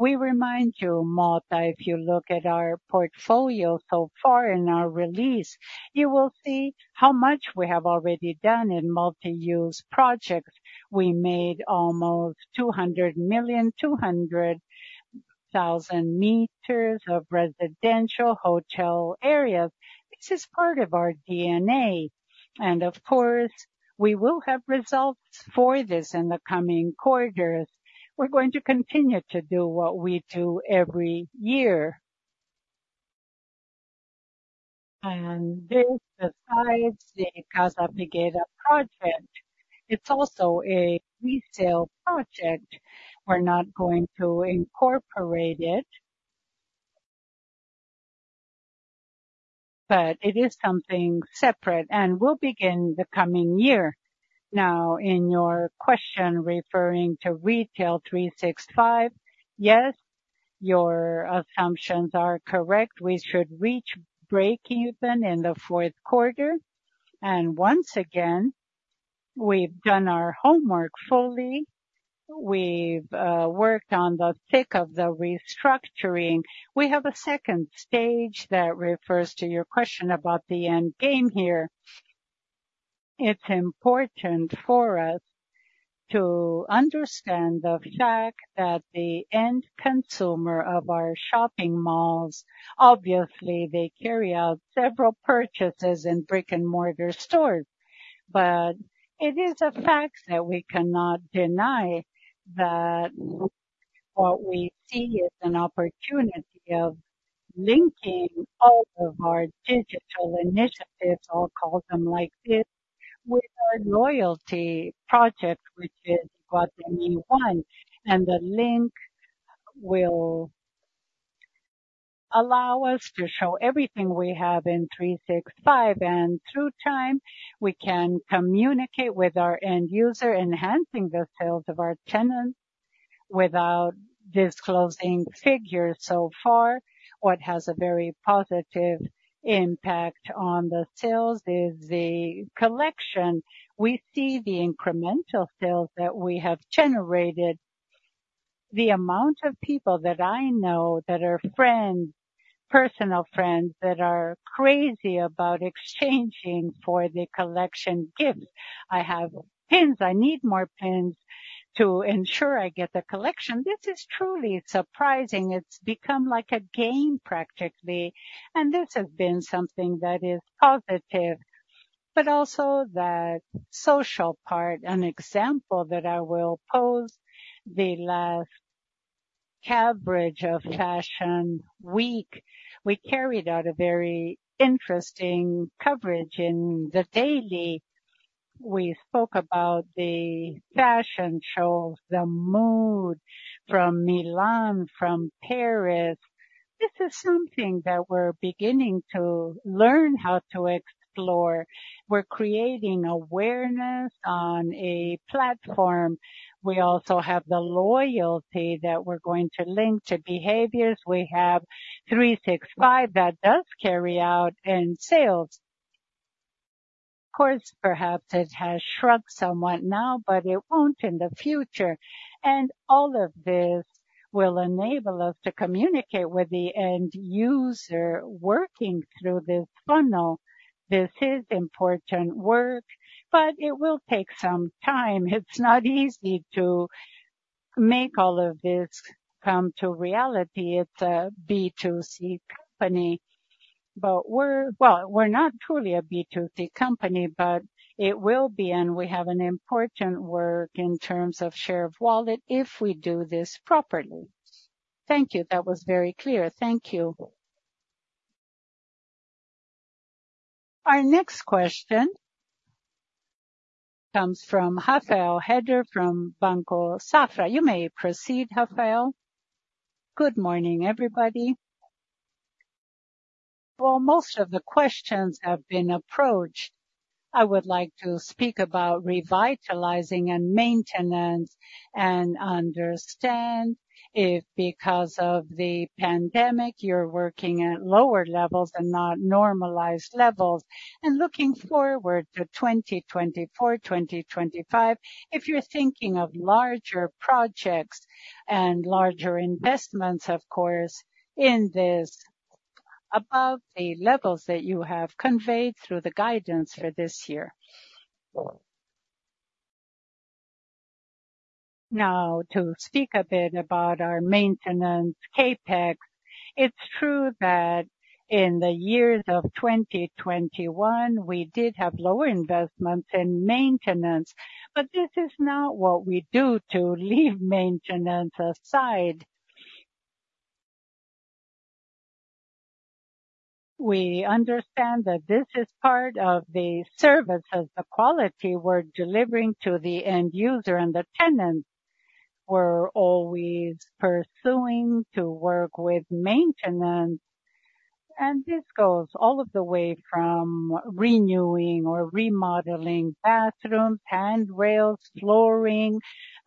We remind you, Malta, if you look at our portfolio so far in our release, you will see how much we have already done in multi-use projects. We made almost 200 million, 200 thousand meters of residential hotel areas. This is part of our DNA, and of course, we will have results for this in the coming quarters. We're going to continue to do what we do every year. And this, besides the Casa Fiqueira project, it's also a resale project. We're not going to incorporate it. But it is something separate, and will begin the coming year. Now, in your question referring to Iguatemi 365, yes, your assumptions are correct. We should reach breakeven in the Q4. And once again, we've done our homework fully. We've worked on the thick of the restructuring. We have a second stage that refers to your question about the end game here. It's important for us to understand the fact that the end consumer of our shopping malls, obviously, they carry out several purchases in brick-and-mortar stores. But it is a fact that we cannot deny that what we see is an opportunity of linking all of our digital initiatives, I'll call them like this, with our loyalty project, which is Iguatemi ONE. The link will allow us to show everything we have in 365, and through time, we can communicate with our end user, enhancing the sales of our tenants without disclosing figures. So far, what has a very positive impact on the sales is the collection. We see the incremental sales that we have generated. The amount of people that I know, that are friends, personal friends, that are crazy about exchanging for the collection gifts. I have pins. I need more pins to ensure I get the collection. This is truly surprising. It's become like a game, practically, and this has been something that is positive, but also the social part. An example that I will pose, the last coverage of Fashion Week, we carried out a very interesting coverage in the daily. We spoke about the fashion shows, the mood from Milan, from Paris. This is something that we're beginning to learn how to explore. We're creating awareness on a platform. We also have the loyalty that we're going to link to behaviors. We have 365 that does carry out in sales. Of course, perhaps it has shrunk somewhat now, but it won't in the future. And all of this will enable us to communicate with the end user working through this funnel. This is important work, but it will take some time. It's not easy to make all of this come to reality. It's a B2C company, but we're, well, we're not truly a B2C company, but it will be, and we have an important work in terms of share of wallet, if we do this properly. Thank you. That was very clear. Thank you. Our next question comes from Rafael Rehder from Banco Safra. You may proceed, Rafael. Good morning, everybody. Well, most of the questions have been approached. I would like to speak about revitalizing and maintenance and understand if because of the pandemic, you're working at lower levels and not normalized levels, and looking forward to 2024, 2025, if you're thinking of larger projects and larger investments, of course, in this?... above the levels that you have conveyed through the guidance for this year. Now, to speak a bit about our maintenance, CapEx, it's true that in the years of 2021, we did have lower investments in maintenance, but this is not what we do to leave maintenance aside. We understand that this is part of the service of the quality we're delivering to the end user and the tenant. We're always pursuing to work with maintenance, and this goes all of the way from renewing or remodeling bathrooms, handrails, flooring,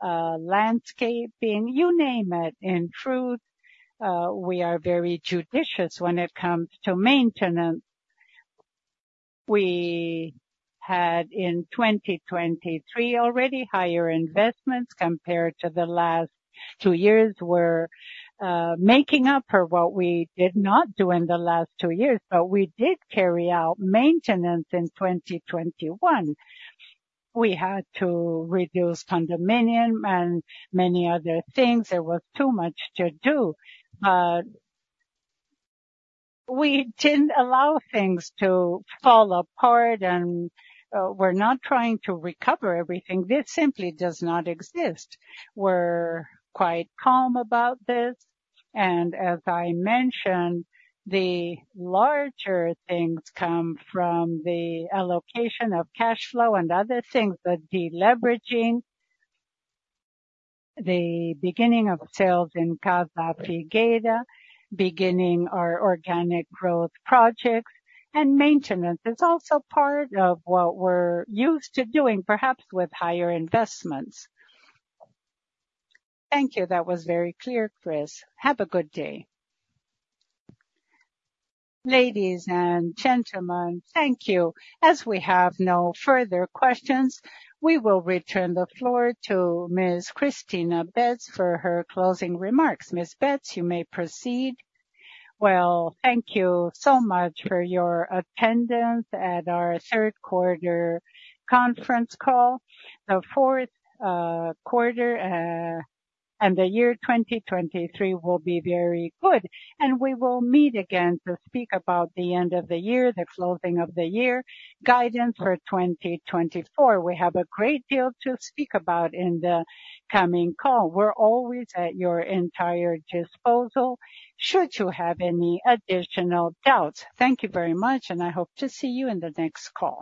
landscaping, you name it. In truth, we are very judicious when it comes to maintenance. We had, in 2023, already higher investments compared to the last two years. We're making up for what we did not do in the last two years, but we did carry out maintenance in 2021. We had to reduce condominium and many other things. There was too much to do. We didn't allow things to fall apart, and we're not trying to recover everything. This simply does not exist. We're quite calm about this, and as I mentioned, the larger things come from the allocation of cash flow and other things, the deleveraging, the beginning of sales in Casa Figueira, beginning our organic growth projects, and maintenance is also part of what we're used to doing, perhaps with higher investments. Thank you. That was very clear, Chris. Have a good day. Ladies and gentlemen, thank you. As we have no further questions, we will return the floor to Ms. Cristina Betts for her closing remarks. Ms. Betts, you may proceed. Well, thank you so much for your attendance at our Q3 conference call. The Q4 and the year 2023 will be very good, and we will meet again to speak about the end of the year, the closing of the year, guidance for 2024. We have a great deal to speak about in the coming call. We're always at your entire disposal should you have any additional doubts. Thank you very much, and I hope to see you in the next call.